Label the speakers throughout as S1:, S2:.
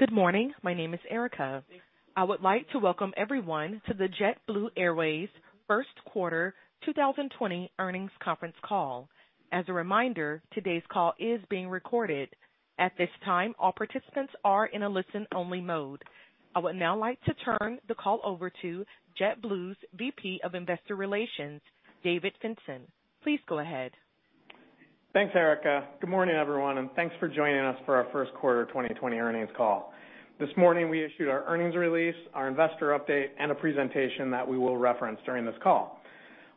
S1: Good morning. My name is Erica. I would like to welcome everyone to the JetBlue Airways first quarter 2020 earnings conference call. As a reminder, today's call is being recorded. At this time, all participants are in a listen-only mode. I would now like to turn the call over to JetBlue's VP of Investor Relations, David Fintzen. Please go ahead.
S2: Thanks, Erica. Good morning, everyone, and thanks for joining us for our first quarter 2020 earnings call. This morning we issued our earnings release, our investor update, and a presentation that we will reference during this call.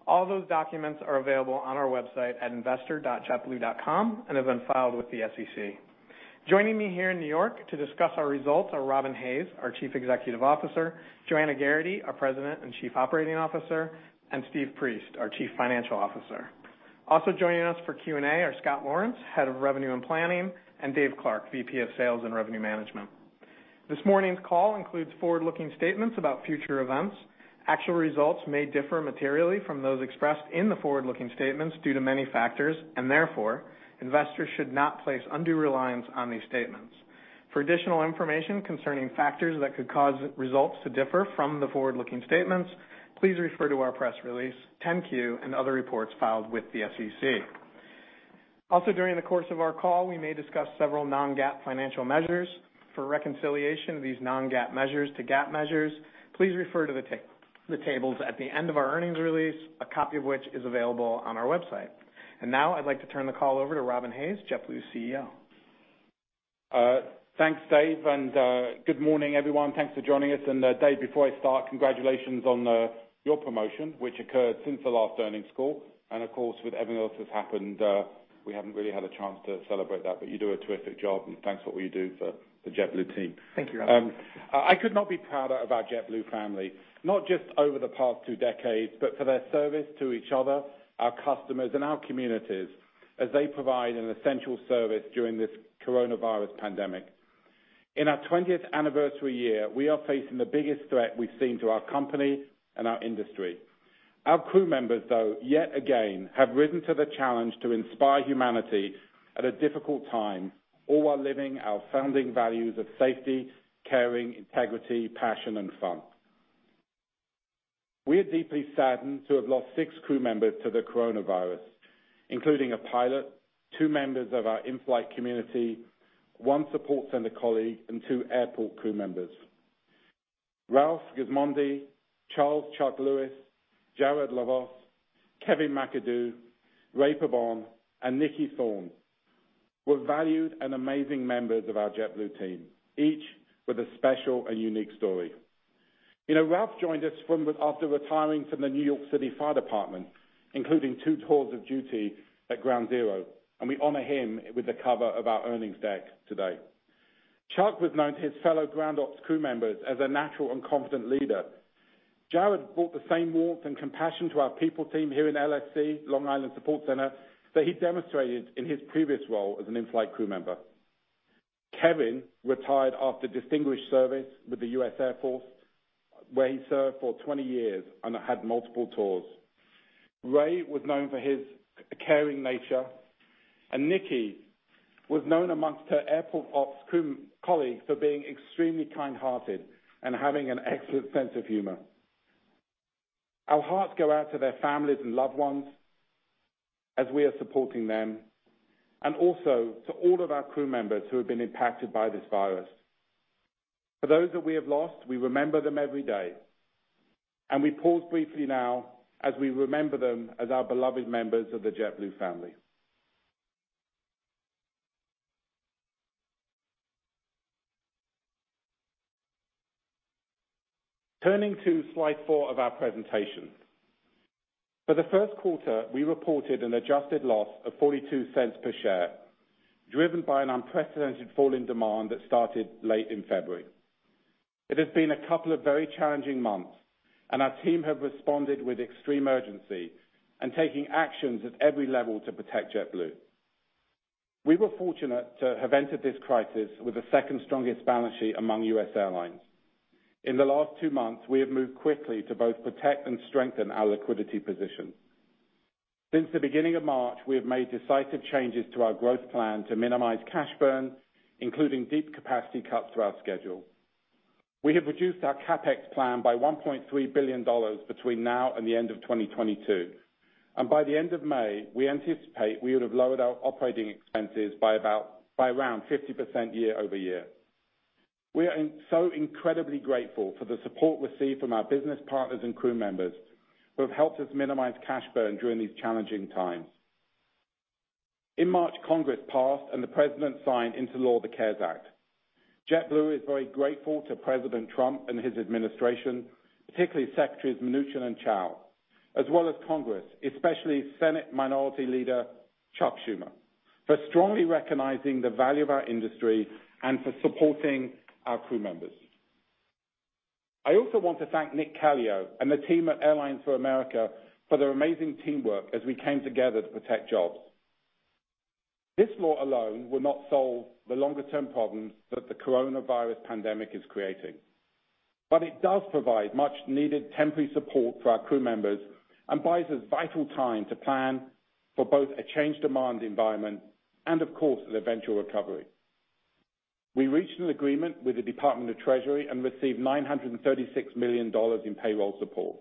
S2: All those documents are available on our website at investor.jetblue.com and have been filed with the SEC. Joining me here in New York to discuss our results are Robin Hayes, our Chief Executive Officer, Joanna Geraghty, our President and Chief Operating Officer, and Steve Priest, our Chief Financial Officer. Also joining us for Q&A are Scott Laurence, Head of Revenue and Planning, and Dave Clark, VP of Sales and Revenue Management. This morning's call includes forward-looking statements about future events. Actual results may differ materially from those expressed in the forward-looking statements due to many factors. Therefore, investors should not place undue reliance on these statements. For additional information concerning factors that could cause results to differ from the forward-looking statements, please refer to our press release, 10-Q and other reports filed with the SEC. During the course of our call, we may discuss several non-GAAP financial measures. For reconciliation of these non-GAAP measures to GAAP measures, please refer to the tables at the end of our earnings release, a copy of which is available on our website. Now I'd like to turn the call over to Robin Hayes, JetBlue's CEO.
S3: Thanks, Dave. Good morning, everyone. Thanks for joining us, and Dave, before I start, congratulations on your promotion, which occurred since the last earnings call, and of course, with everything else that's happened, we haven't really had a chance to celebrate that, but you do a terrific job, and thanks for what you do for the JetBlue team.
S2: Thank you.
S3: I could not be prouder of our JetBlue family, not just over the past two decades, but for their service to each other, our customers, and our communities as they provide an essential service during this coronavirus pandemic. In our 20th anniversary year, we are facing the biggest threat we've seen to our company and our industry. Our crew members, though, yet again, have risen to the challenge to inspire humanity at a difficult time, all while living our founding values of safety, caring, integrity, passion, and fun. We are deeply saddened to have lost six crew members to the coronavirus, including a pilot, two members of our in-flight community, one support center colleague, and two airport crew members. Ralph Gismondi, Charles Chuck Lewis, Jared Lovos, Kevin McAdoo, Ray Pabon, and Nikki Thorne were valued and amazing members of our JetBlue team, each with a special and unique story. Ralph joined us after retiring from the New York City Fire Department, including two tours of duty at Ground Zero, and we honor him with the cover of our earnings deck today. Chuck was known to his fellow ground ops crew members as a natural and competent leader. Jared brought the same warmth and compassion to our people team here in LSC, Long Island Support Center, that he demonstrated in his previous role as an in-flight crew member. Kevin retired after distinguished service with the U.S. Air Force, where he served for 20 years and had multiple tours. Ray was known for his caring nature, and Nikki was known amongst her airport ops crew colleagues for being extremely kind-hearted and having an excellent sense of humor. Our hearts go out to their families and loved ones as we are supporting them, and also to all of our crew members who have been impacted by this virus. For those that we have lost, we remember them every day, and we pause briefly now as we remember them as our beloved members of the JetBlue family. Turning to slide four of our presentation. For the first quarter, we reported an adjusted loss of $0.42 per share, driven by an unprecedented fall in demand that started late in February. It has been a couple of very challenging months, and our team have responded with extreme urgency and taking actions at every level to protect JetBlue. We were fortunate to have entered this crisis with the second strongest balance sheet among U.S. airlines. In the last two months, we have moved quickly to both protect and strengthen our liquidity position. Since the beginning of March, we have made decisive changes to our growth plan to minimize cash burn, including deep capacity cuts to our schedule. We have reduced our CapEx plan by $1.3 billion between now and the end of 2022, and by the end of May, we anticipate we would have lowered our operating expenses by around 50% year-over-year. We are so incredibly grateful for the support received from our business partners and crew members who have helped us minimize cash burn during these challenging times. In March, Congress passed and the President signed into law the CARES Act. JetBlue is very grateful to President Trump and his administration, particularly Secretaries Mnuchin and Chao, as well as Congress, especially Senate Minority Leader Chuck Schumer, for strongly recognizing the value of our industry and for supporting our crew members. I also want to thank Nick Calio and the team at Airlines for America for their amazing teamwork as we came together to protect jobs. This law alone will not solve the longer-term problems that the coronavirus pandemic is creating. It does provide much needed temporary support for our crew members and buys us vital time to plan for both a change demand environment and of course, the eventual recovery. We reached an agreement with the Department of Treasury and received $936 million in payroll support.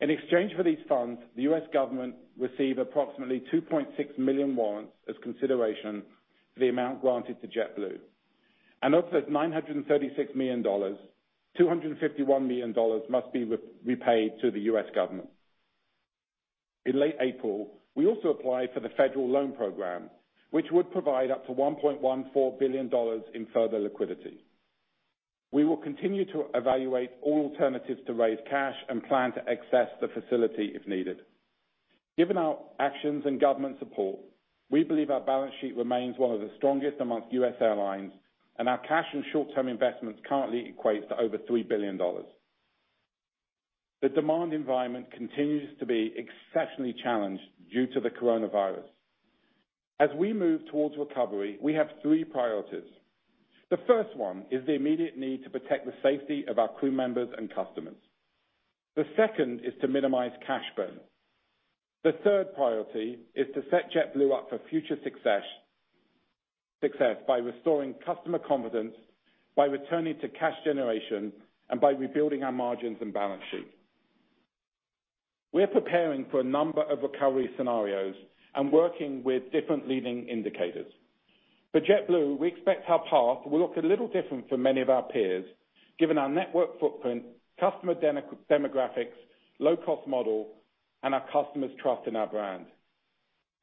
S3: In exchange for these funds, the U.S. government received approximately 2.6 million warrants as consideration for the amount granted to JetBlue. Of those $936 million, $251 million must be repaid to the U.S. government. In late April, we also applied for the federal loan program, which would provide up to $1.14 billion in further liquidity. We will continue to evaluate all alternatives to raise cash and plan to access the facility if needed. Given our actions and government support, we believe our balance sheet remains one of the strongest amongst U.S. airlines, and our cash and short-term investments currently equate to over $3 billion. The demand environment continues to be exceptionally challenged due to the COVID-19. As we move towards recovery, we have three priorities. The first one is the immediate need to protect the safety of our crew members and customers. The second is to minimize cash burn. The third priority is to set JetBlue up for future success by restoring customer confidence, by returning to cash generation, and by rebuilding our margins and balance sheet. We're preparing for a number of recovery scenarios and working with different leading indicators. For JetBlue, we expect our path will look a little different from many of our peers, given our network footprint, customer demographics, low-cost model, and our customers' trust in our brand.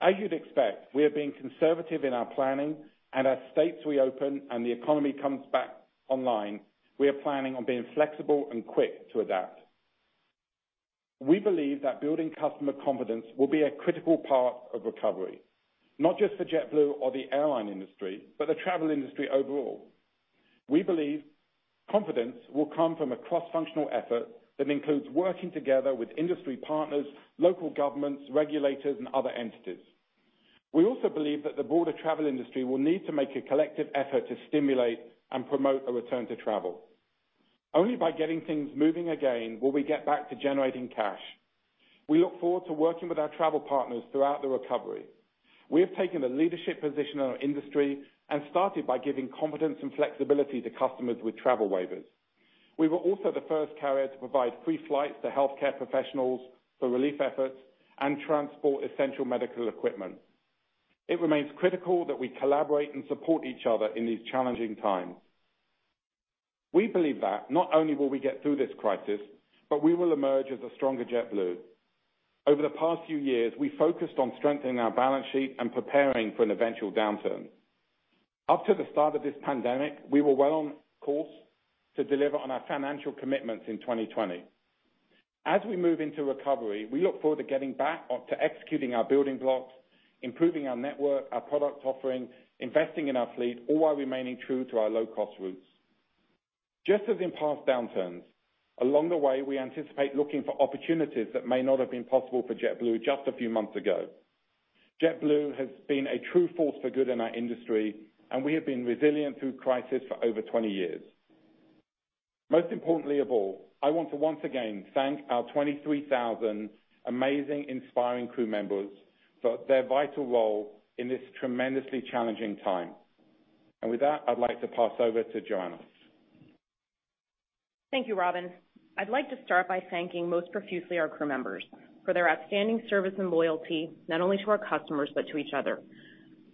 S3: As you'd expect, we are being conservative in our planning, and as states reopen and the economy comes back online, we are planning on being flexible and quick to adapt. We believe that building customer confidence will be a critical part of recovery, not just for JetBlue or the airline industry, but the travel industry overall. We believe confidence will come from a cross-functional effort that includes working together with industry partners, local governments, regulators, and other entities. We also believe that the broader travel industry will need to make a collective effort to stimulate and promote a return to travel. Only by getting things moving again will we get back to generating cash. We look forward to working with our travel partners throughout the recovery. We have taken a leadership position in our industry and started by giving confidence and flexibility to customers with travel waivers. We were also the first carrier to provide free flights to healthcare professionals for relief efforts and transport essential medical equipment. It remains critical that we collaborate and support each other in these challenging times. We believe that not only will we get through this crisis, but we will emerge as a stronger JetBlue. Over the past few years, we focused on strengthening our balance sheet and preparing for an eventual downturn. Up to the start of this pandemic, we were well on course to deliver on our financial commitments in 2020. As we move into recovery, we look forward to getting back on to executing our building blocks, improving our network, our product offering, investing in our fleet, all while remaining true to our low-cost roots. Just as in past downturns, along the way, we anticipate looking for opportunities that may not have been possible for JetBlue just a few months ago. JetBlue has been a true force for good in our industry, and we have been resilient through crisis for over 20 years. Most importantly of all, I want to once again thank our 23,000 amazing, inspiring crew members for their vital role in this tremendously challenging time. With that, I'd like to pass over to Joanna.
S4: Thank you, Robin. I'd like to start by thanking most profusely our crew members for their outstanding service and loyalty, not only to our customers but to each other.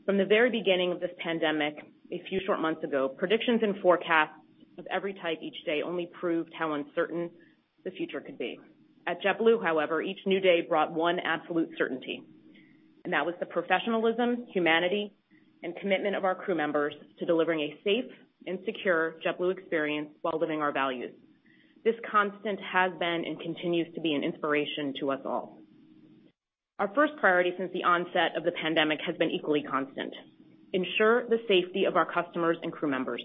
S4: From the very beginning of this pandemic a few short months ago, predictions and forecasts of every type each day only proved how uncertain the future could be. At JetBlue, however, each new day brought one absolute certainty, and that was the professionalism, humanity, and commitment of our crew members to delivering a safe and secure JetBlue experience while living our values. This constant has been and continues to be an inspiration to us all. Our first priority since the onset of the pandemic has been equally constant, ensure the safety of our customers and crew members.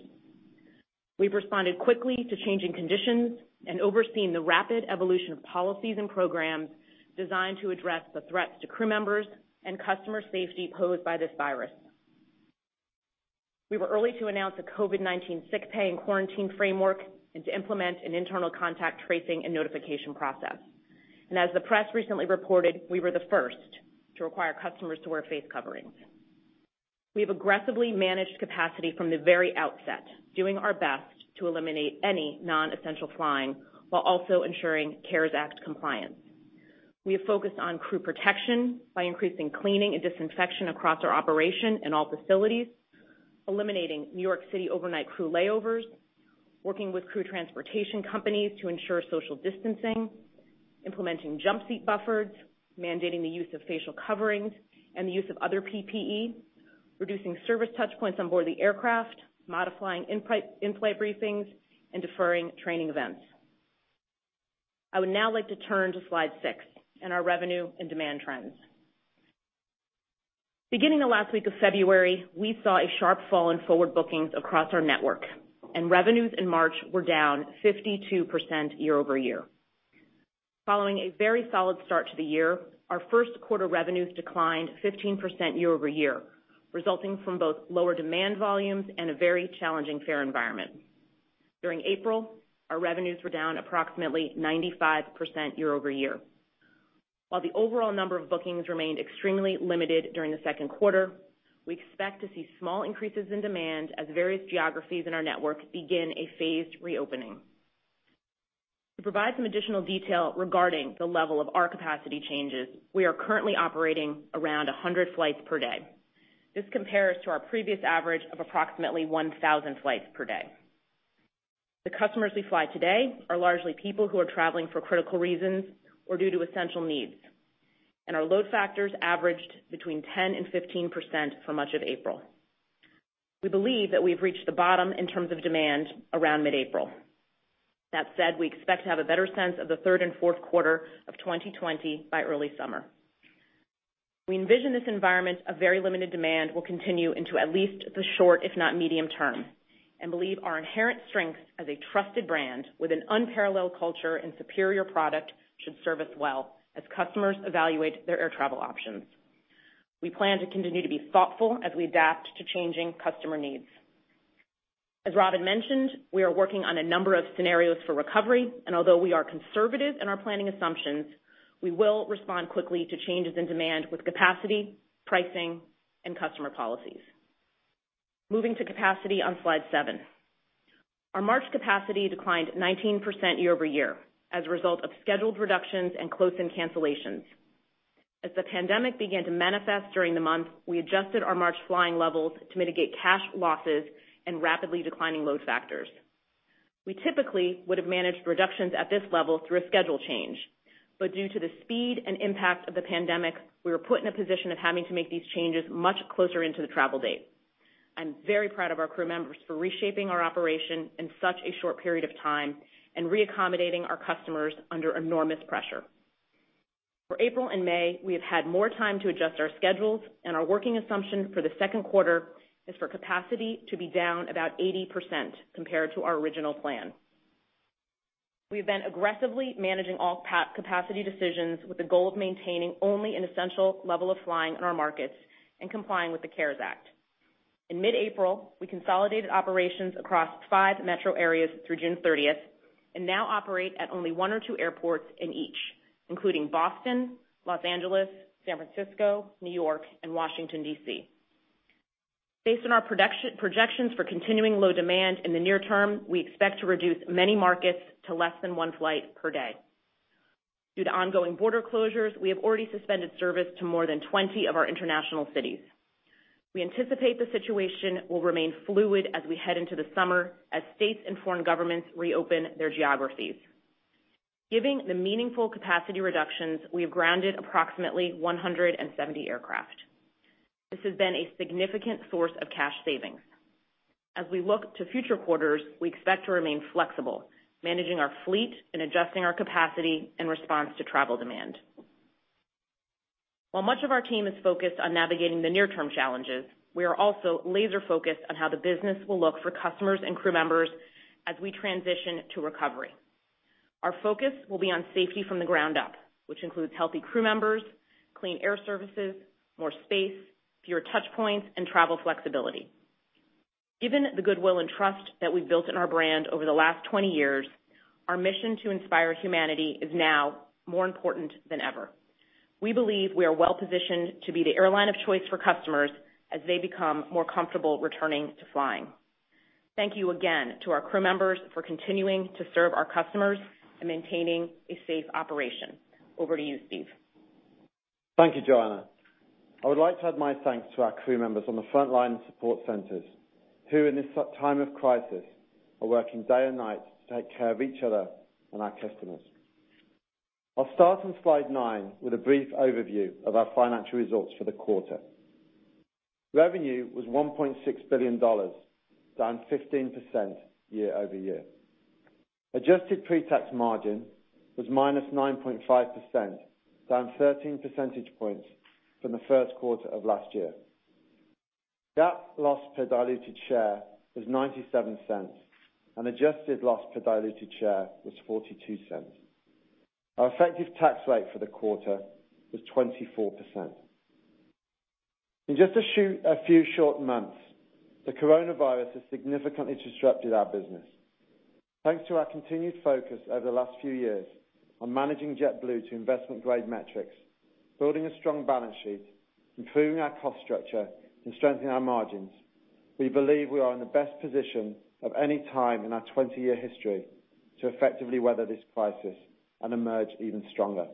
S4: We've responded quickly to changing conditions and overseen the rapid evolution of policies and programs designed to address the threats to crew members and customer safety posed by this virus. We were early to announce a COVID-19 sick pay and quarantine framework and to implement an internal contact tracing and notification process. As the press recently reported, we were the first to require customers to wear face coverings. We have aggressively managed capacity from the very outset, doing our best to eliminate any non-essential flying while also ensuring CARES Act compliance. We have focused on crew protection by increasing cleaning and disinfection across our operation in all facilities, eliminating New York City overnight crew layovers, working with crew transportation companies to ensure social distancing, implementing jump seat buffers, mandating the use of facial coverings, and the use of other PPE, reducing service touchpoints on board the aircraft, modifying in-flight briefings, and deferring training events. I would now like to turn to slide six and our revenue and demand trends. Beginning the last week of February, we saw a sharp fall in forward bookings across our network, and revenues in March were down 52% year-over-year. Following a very solid start to the year, our first quarter revenues declined 15% year-over-year, resulting from both lower demand volumes and a very challenging fare environment. During April, our revenues were down approximately 95% year-over-year. While the overall number of bookings remained extremely limited during the second quarter, we expect to see small increases in demand as various geographies in our network begin a phased reopening. To provide some additional detail regarding the level of our capacity changes, we are currently operating around 100 flights per day. This compares to our previous average of approximately 1,000 flights per day. The customers we fly today are largely people who are traveling for critical reasons or due to essential needs, and our load factors averaged between 10% and 15% for much of April. We believe that we've reached the bottom in terms of demand around mid-April. We expect to have a better sense of the third and fourth quarter of 2020 by early summer. We envision this environment of very limited demand will continue into at least the short, if not medium term, and believe our inherent strengths as a trusted brand with an unparalleled culture and superior product should serve us well as customers evaluate their air travel options. We plan to continue to be thoughtful as we adapt to changing customer needs. As Robin mentioned, we are working on a number of scenarios for recovery, and although we are conservative in our planning assumptions, we will respond quickly to changes in demand with capacity, pricing, and customer policies. Moving to capacity on slide seven. Our March capacity declined 19% year-over-year as a result of scheduled reductions and close-in cancellations. As the pandemic began to manifest during the month, we adjusted our March flying levels to mitigate cash losses and rapidly declining load factors. We typically would have managed reductions at this level through a schedule change, but due to the speed and impact of the pandemic, we were put in a position of having to make these changes much closer into the travel date. I'm very proud of our crew members for reshaping our operation in such a short period of time and reaccommodating our customers under enormous pressure. For April and May, we have had more time to adjust our schedules, and our working assumption for the second quarter is for capacity to be down about 80% compared to our original plan. We've been aggressively managing all capacity decisions with the goal of maintaining only an essential level of flying in our markets and complying with the CARES Act. In mid-April, we consolidated operations across five metro areas through June 30th and now operate at only one or two airports in each, including Boston, Los Angeles, San Francisco, New York, and Washington, D.C. Based on our projections for continuing low demand in the near term, we expect to reduce many markets to less than one flight per day. Due to ongoing border closures, we have already suspended service to more than 20 of our international cities. We anticipate the situation will remain fluid as we head into the summer as states and foreign governments reopen their geographies. Given the meaningful capacity reductions, we have grounded approximately 170 aircraft. This has been a significant source of cash savings. As we look to future quarters, we expect to remain flexible, managing our fleet and adjusting our capacity in response to travel demand. While much of our team is focused on navigating the near-term challenges, we are also laser-focused on how the business will look for customers and crew members as we transition to recovery. Our focus will be on safety from the ground up, which includes healthy crew members, clean air services, more space, fewer touchpoints, and travel flexibility. Given the goodwill and trust that we've built in our brand over the last 20 years, our mission to inspire humanity is now more important than ever. We believe we are well-positioned to be the airline of choice for customers as they become more comfortable returning to flying. Thank you again to our crew members for continuing to serve our customers and maintaining a safe operation. Over to you, Steve.
S5: Thank you, Joanna. I would like to add my thanks to our crew members on the front line and support centers who in this time of crisis are working day and night to take care of each other and our customers. I'll start on slide nine with a brief overview of our financial results for the quarter. Revenue was $1.6 billion, down 15% year-over-year. Adjusted pre-tax margin was -9.5%, down 13 percentage points from the first quarter of last year. GAAP loss per diluted share was $0.97, and adjusted loss per diluted share was $0.42. Our effective tax rate for the quarter was 24%. In just a few short months, the coronavirus has significantly disrupted our business. Thanks to our continued focus over the last few years on managing JetBlue to investment-grade metrics, building a strong balance sheet, improving our cost structure, and strengthening our margins, we believe we are in the best position of any time in our 20-year history to effectively weather this crisis and emerge even stronger.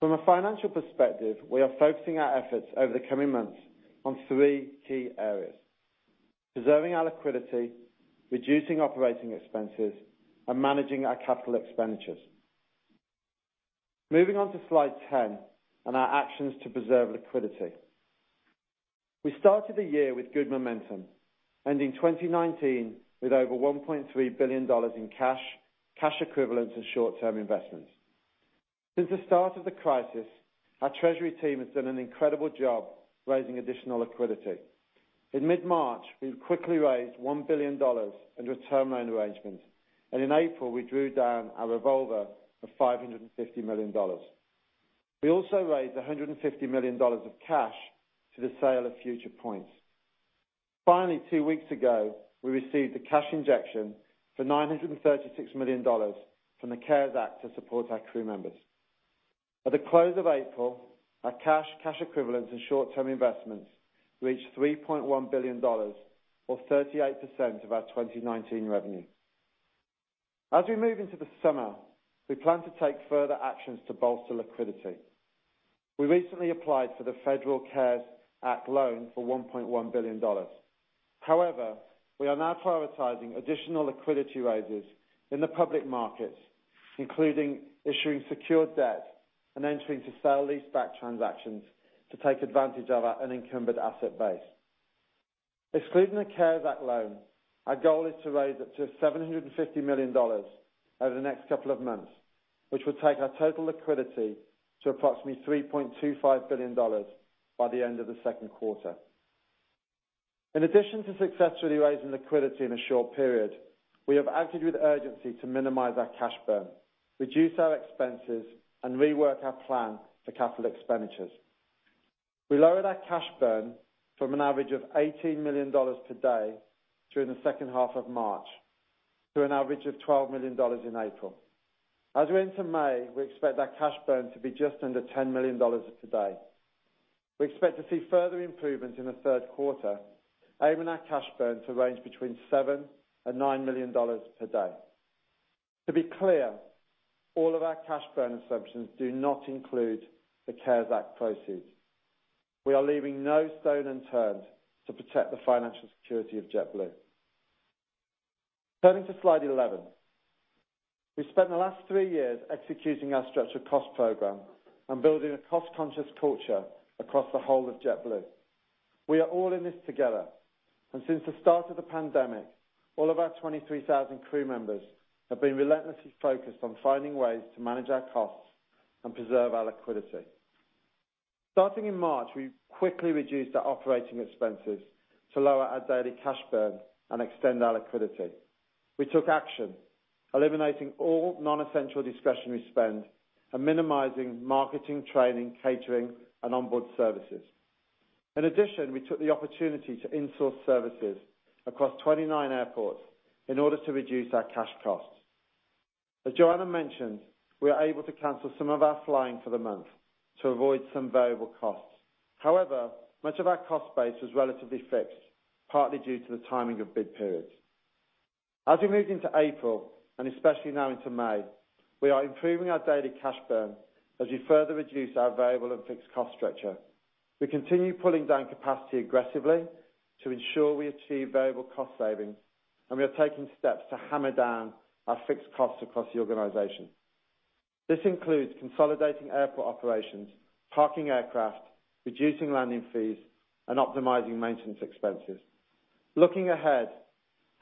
S5: From a financial perspective, we are focusing our efforts over the coming months on three key areas, preserving our liquidity, reducing operating expenses, and managing our capital expenditures. Moving on to slide 10 and our actions to preserve liquidity. We started the year with good momentum, ending 2019 with over $1.3 billion in cash equivalents, and short-term investments. Since the start of the crisis, our treasury team has done an incredible job raising additional liquidity. In mid-March, we quickly raised $1 billion under a term loan arrangement, and in April, we drew down our revolver of $550 million. We also raised $150 million of cash to the sale of future points. Finally, two weeks ago, we received a cash injection for $936 million from the CARES Act to support our crew members. At the close of April, our cash equivalents, and short-term investments reached $3.1 billion, or 38% of our 2019 revenue. As we move into the summer, we plan to take further actions to bolster liquidity. We recently applied for the federal CARES Act loan for $1.1 billion. However, we are now prioritizing additional liquidity raises in the public markets, including issuing secured debt and entering to sell leaseback transactions to take advantage of our unencumbered asset base. Excluding the CARES Act loan, our goal is to raise up to $750 million over the next couple of months, which will take our total liquidity to approximately $3.25 billion by the end of the second quarter. In addition to successfully raising liquidity in a short period, we have acted with urgency to minimize our cash burn, reduce our expenses, and rework our plan for capital expenditures. We lowered our cash burn from an average of $18 million per day during the second half of March to an average of $12 million in April. As we enter May, we expect our cash burn to be just under $10 million per day. We expect to see further improvements in the third quarter, aiming our cash burn to range between $7 million and $9 million per day. To be clear, all of our cash burn assumptions do not include the CARES Act proceeds. We are leaving no stone unturned to protect the financial security of JetBlue. Turning to slide 11. We've spent the last three years executing our structural cost program and building a cost-conscious culture across the whole of JetBlue. We are all in this together, and since the start of the pandemic, all of our 23,000 crew members have been relentlessly focused on finding ways to manage our costs and preserve our liquidity. Starting in March, we quickly reduced our operating expenses to lower our daily cash burn and extend our liquidity. We took action, eliminating all non-essential discretionary spend and minimizing marketing, training, catering, and onboard services. We took the opportunity to insource services across 29 airports in order to reduce our cash costs. As Joanna mentioned, we were able to cancel some of our flying for the month to avoid some variable costs. Much of our cost base was relatively fixed, partly due to the timing of bid periods. We moved into April, and especially now into May, we are improving our daily cash burn as we further reduce our variable and fixed cost structure. We continue pulling down capacity aggressively to ensure we achieve variable cost savings, and we are taking steps to hammer down our fixed costs across the organization. This includes consolidating airport operations, parking aircraft, reducing landing fees, and optimizing maintenance expenses. Looking ahead,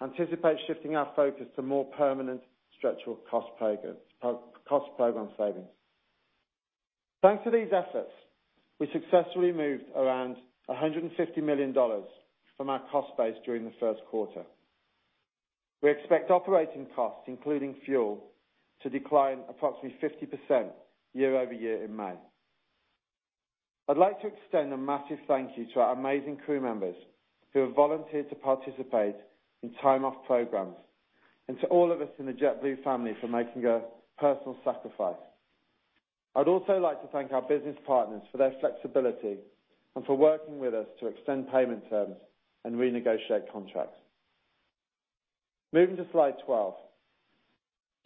S5: anticipate shifting our focus to more permanent structural cost program savings. Thanks to these efforts, we successfully moved around $150 million from our cost base during the first quarter. We expect operating costs, including fuel, to decline approximately 50% year-over-year in May. I'd like to extend a massive thank you to our amazing crew members who have volunteered to participate in time-off programs and to all of us in the JetBlue family for making a personal sacrifice. I'd also like to thank our business partners for their flexibility and for working with us to extend payment terms and renegotiate contracts. Moving to slide 12.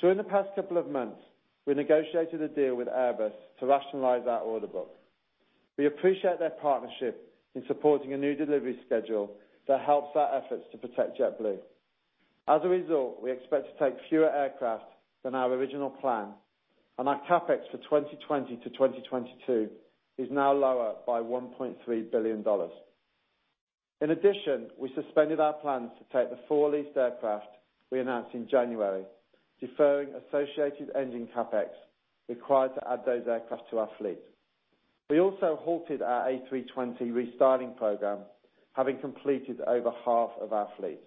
S5: During the past couple of months, we negotiated a deal with Airbus to rationalize our order book. We appreciate their partnership in supporting a new delivery schedule that helps our efforts to protect JetBlue. As a result, we expect to take fewer aircraft than our original plan, and our CapEx for 2020 to 2022 is now lower by $1.3 billion. In addition, we suspended our plans to take the four leased aircraft we announced in January, deferring associated engine CapEx required to add those aircraft to our fleet. We also halted our A320 restyling program, having completed over half of our fleet.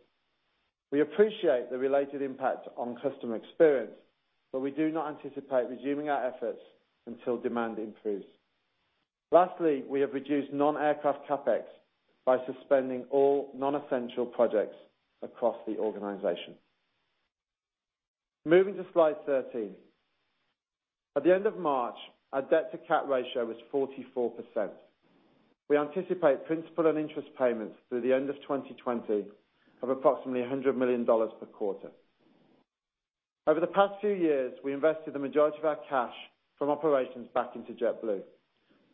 S5: We appreciate the related impact on customer experience, we do not anticipate resuming our efforts until demand improves. Lastly, we have reduced non-aircraft CapEx by suspending all non-essential projects across the organization. Moving to slide 13. At the end of March, our debt-to-cap ratio was 44%. We anticipate principal and interest payments through the end of 2020 of approximately $100 million per quarter. Over the past few years, we invested the majority of our cash from operations back into JetBlue.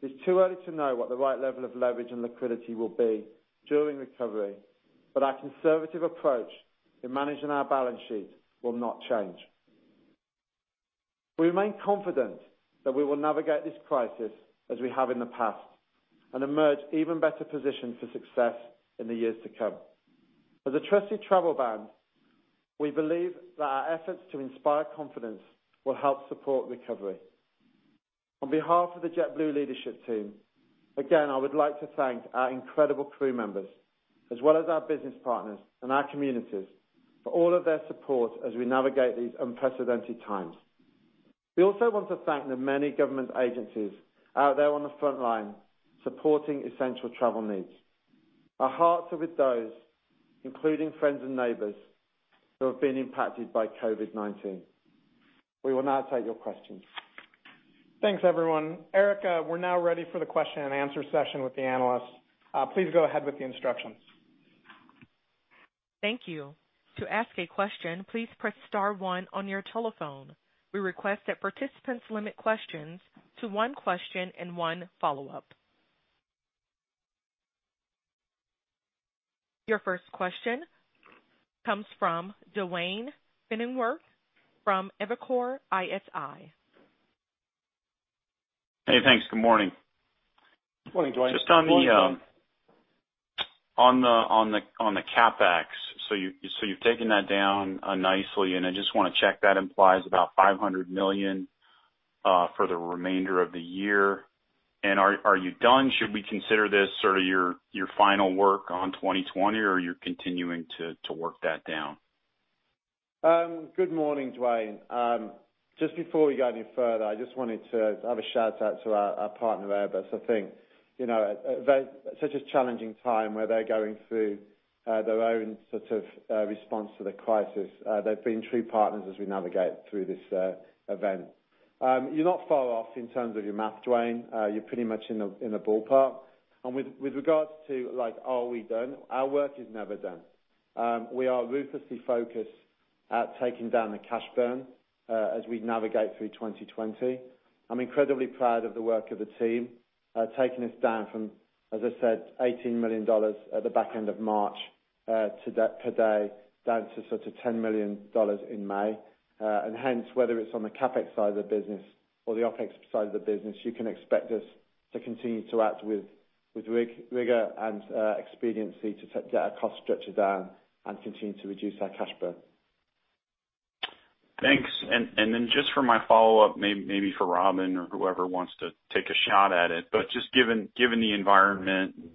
S5: It's too early to know what the right level of leverage and liquidity will be during recovery. Our conservative approach in managing our balance sheet will not change. We remain confident that we will navigate this crisis as we have in the past and emerge even better positioned for success in the years to come. As a trusted travel brand, we believe that our efforts to inspire confidence will help support recovery. On behalf of the JetBlue leadership team, again, I would like to thank our incredible crew members, as well as our business partners and our communities for all of their support as we navigate these unprecedented times. We also want to thank the many government agencies out there on the front line supporting essential travel needs. Our hearts are with those, including friends and neighbors who have been impacted by COVID-19. We will now take your questions.
S2: Thanks, everyone. Erica, we're now ready for the question-and-answer session with the analysts. Please go ahead with the instructions.
S1: Thank you. To ask a question, please press star one on your telephone. We request that participants limit questions to one question and one follow-up. Your first question comes from Duane Pfennigwerth from Evercore ISI.
S6: Hey, thanks. Good morning.
S3: Morning, Duane.
S6: Just on the CapEx, you've taken that down nicely, I just want to check that implies about $500 million for the remainder of the year. Are you done? Should we consider this sort of your final work on 2020, or are you continuing to work that down?
S3: Good morning, Duane. Just before we go any further, I just wanted to have a shout-out to our partner, Airbus. I think such a challenging time where they're going through their own sort of response to the crisis. They've been true partners as we navigate through this event. You're not far off in terms of your math, Duane. You're pretty much in the ballpark. With regards to like, are we done? Our work is never done. We are ruthlessly focused at taking down the cash burn as we navigate through 2020. I'm incredibly proud of the work of the team, taking us down from, as I said, $18 million at the back end of March to date today, down to sort of $10 million in May. Hence, whether it's on the CapEx side of the business or the OpEx side of the business, you can expect us to continue to act with rigor and expediency to get our cost structure down and continue to reduce our cash burn.
S6: Thanks. Just for my follow-up, maybe for Robin or whoever wants to take a shot at it. Just given the environment and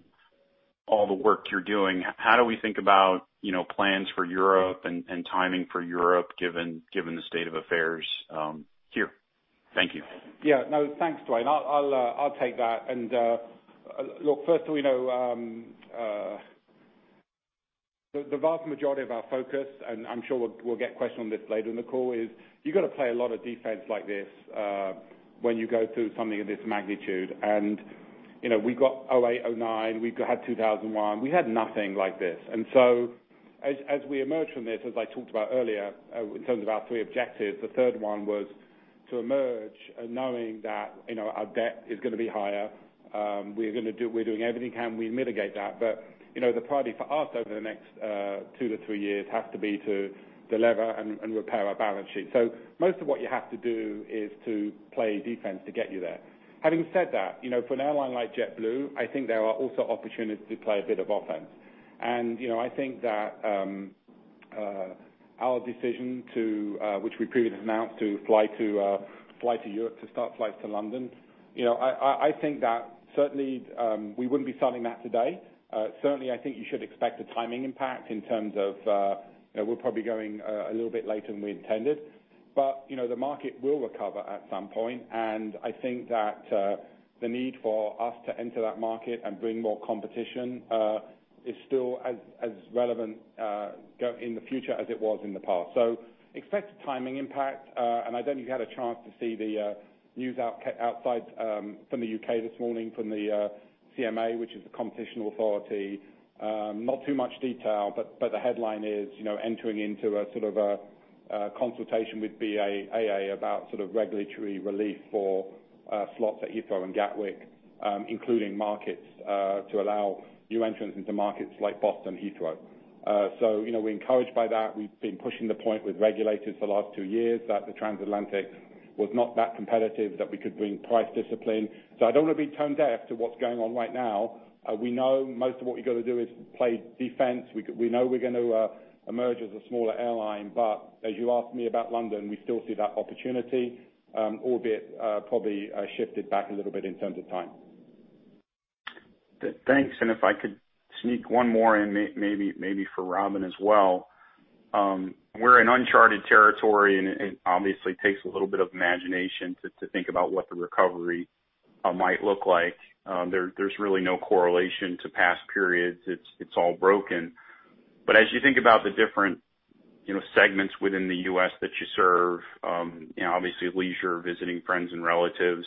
S6: all the work you're doing, how do we think about plans for Europe and timing for Europe, given the state of affairs here? Thank you.
S3: Yeah, no. Thanks, Duane. I'll take that. Look, firstly, the vast majority of our focus, and I'm sure we'll get questioned on this later in the call, is you got to play a lot of defense like this when you go through something of this magnitude. We got 2008, 2009, we had 2001, we had nothing like this. As we emerge from this, as I talked about earlier in terms of our three objectives, the third one was to emerge knowing that our debt is going to be higher. We're doing everything we can. We mitigate that. The priority for us over the next two to three years has to be to de-lever and repair our balance sheet. Most of what you have to do is to play defense to get you there. Having said that, for an airline like JetBlue, I think there are also opportunities to play a bit of offense. I think that our decision, which we previously announced to start flights to London, I think that certainly we wouldn't be starting that today. Certainly, I think you should expect a timing impact in terms of we're probably going a little bit later than we intended, but the market will recover at some point, and I think that the need for us to enter that market and bring more competition is still as relevant in the future as it was in the past. Expect a timing impact. I don't know if you had a chance to see the news outside from the U.K. this morning from the CMA, which is the Competition Authority. Not too much detail, the headline is entering into a sort of a consultation with BA/AA about sort of regulatory relief for slots at Heathrow and Gatwick, including markets to allow new entrants into markets like Boston, Heathrow. We're encouraged by that. We've been pushing the point with regulators for the last two years that the transatlantic was not that competitive, that we could bring price discipline. I don't want to be tone deaf to what's going on right now. We know most of what we got to do is play defense. We know we're going to emerge as a smaller airline, as you asked me about London, we still see that opportunity, albeit probably shifted back a little bit in terms of time.
S6: Thanks. If I could sneak one more in, maybe for Robin as well. We're in uncharted territory, and it obviously takes a little bit of imagination to think about what the recovery might look like. There's really no correlation to past periods. It's all broken. As you think about the different segments within the U.S. that you serve, obviously leisure, visiting friends and relatives,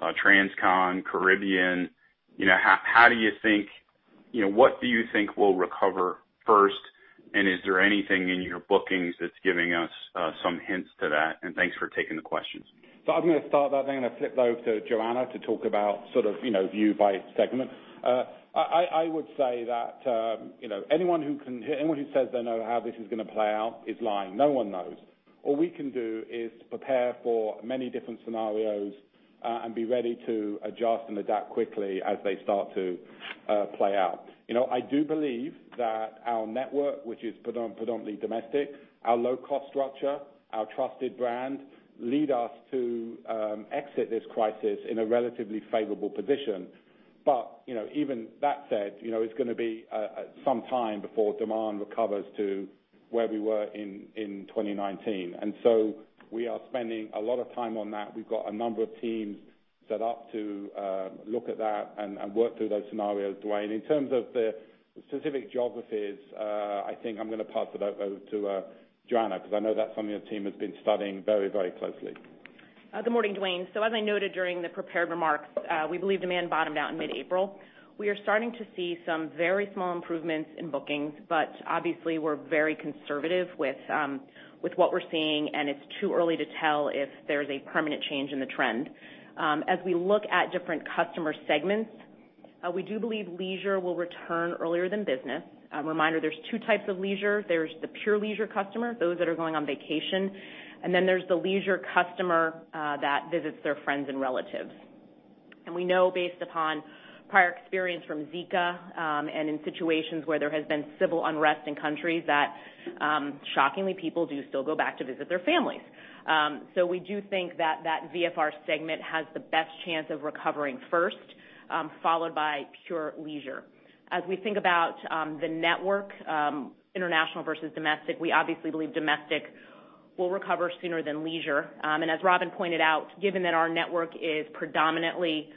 S6: Transcon, Caribbean, what do you think will recover first, and is there anything in your bookings that's giving us some hints to that? Thanks for taking the questions.
S5: I'm going to start that, then I'm going to flip over to Joanna to talk about sort of view by segment. I would say that anyone who says they know how this is going to play out is lying. No one knows. All we can do is prepare for many different scenarios and be ready to adjust and adapt quickly as they start to play out. I do believe that our network, which is predominantly domestic, our low-cost structure, our trusted brand, lead us to exit this crisis in a relatively favorable position. Even that said, it's going to be some time before demand recovers to where we were in 2019. We are spending a lot of time on that. We've got a number of teams set up to look at that and work through those scenarios, Duane. In terms of the specific geographies, I think I'm going to pass it over to Joanna, because I know that's something your team has been studying very closely.
S4: Good morning, Duane. As I noted during the prepared remarks, we believe demand bottomed out in mid-April. We are starting to see some very small improvements in bookings, but obviously we're very conservative with what we're seeing, and it's too early to tell if there's a permanent change in the trend. As we look at different customer segments, we do believe leisure will return earlier than business. A reminder, there's two types of leisure. There's the pure leisure customer, those that are going on vacation, and then there's the leisure customer that visits their friends and relatives. We know based upon prior experience from Zika, and in situations where there has been civil unrest in countries that shockingly, people do still go back to visit their families. We do think that that VFR segment has the best chance of recovering first, followed by pure leisure. As we think about the network, international versus domestic, we obviously believe domestic will recover sooner than leisure. As Robin pointed out, given that our network is predominantly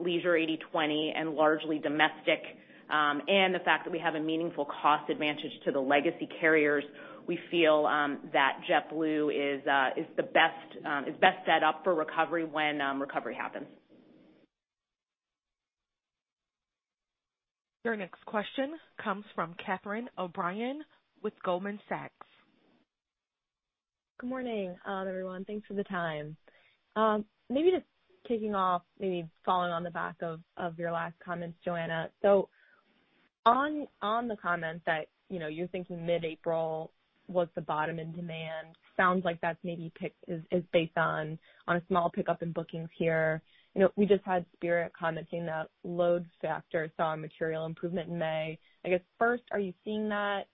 S4: leisure 80/20 and largely domestic, and the fact that we have a meaningful cost advantage to the legacy carriers, we feel that JetBlue is best set up for recovery when recovery happens.
S1: Your next question comes from Catherine O'Brien with Goldman Sachs.
S7: Good morning, everyone. Thanks for the time. Just kicking off, following on the back of your last comments, Joanna. On the comment that you're thinking mid-April was the bottom in demand, sounds like that's maybe based on a small pickup in bookings here. We just had Spirit commenting that load factor saw a material improvement in May. I guess first, are you seeing that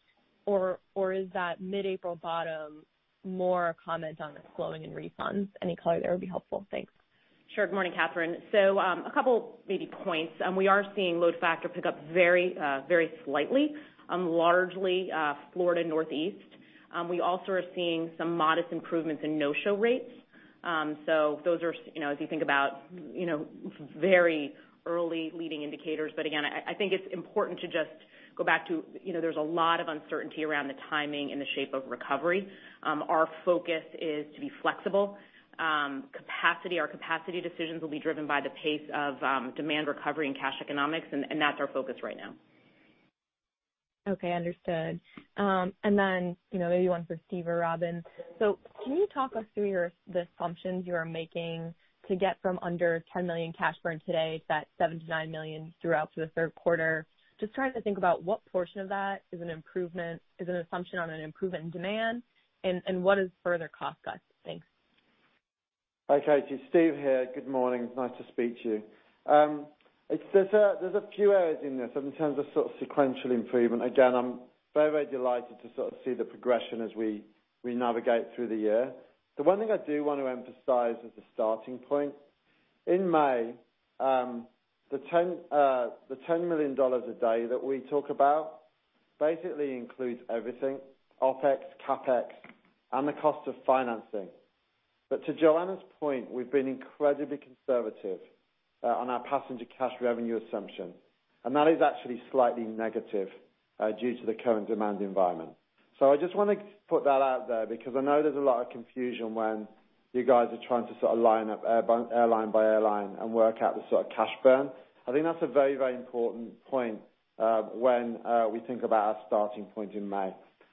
S7: or is that mid-April bottom more a comment on the slowing in refunds? Any color there would be helpful. Thanks.
S4: Sure. Good morning, Catherine. A couple maybe points. We are seeing load factor pick up very slightly on largely Florida Northeast. We also are seeing some modest improvements in no-show rates. Those are, as you think about very early leading indicators. Again, I think it's important to just go back to there's a lot of uncertainty around the timing and the shape of recovery. Our focus is to be flexible. Our capacity decisions will be driven by the pace of demand recovery and cash economics, and that's our focus right now.
S7: Okay, understood. Then maybe one for Steve or Robin. Can you talk us through the assumptions you are making to get from under $10 million cash burn today to that $7 million to $9 million throughout the third quarter? Just trying to think about what portion of that is an assumption on an improvement in demand and what is further cost cuts. Thanks.
S5: Okay. It's Steve here. Good morning. It's nice to speak to you. There's a few areas in this in terms of sort of sequential improvement. Again, I'm very delighted to sort of see the progression as we navigate through the year. The one thing I do want to emphasize as a starting point, in May, the $10 million a day that we talk about basically includes everything, OpEx, CapEx, and the cost of financing. To Joanna's point, we've been incredibly conservative on our passenger cash revenue assumption, and that is actually slightly negative due to the current demand environment. I just want to put that out there because I know there's a lot of confusion when you guys are trying to sort of line up airline by airline and work out the sort of cash burn. I think that's a very important point when we think about our starting point in May.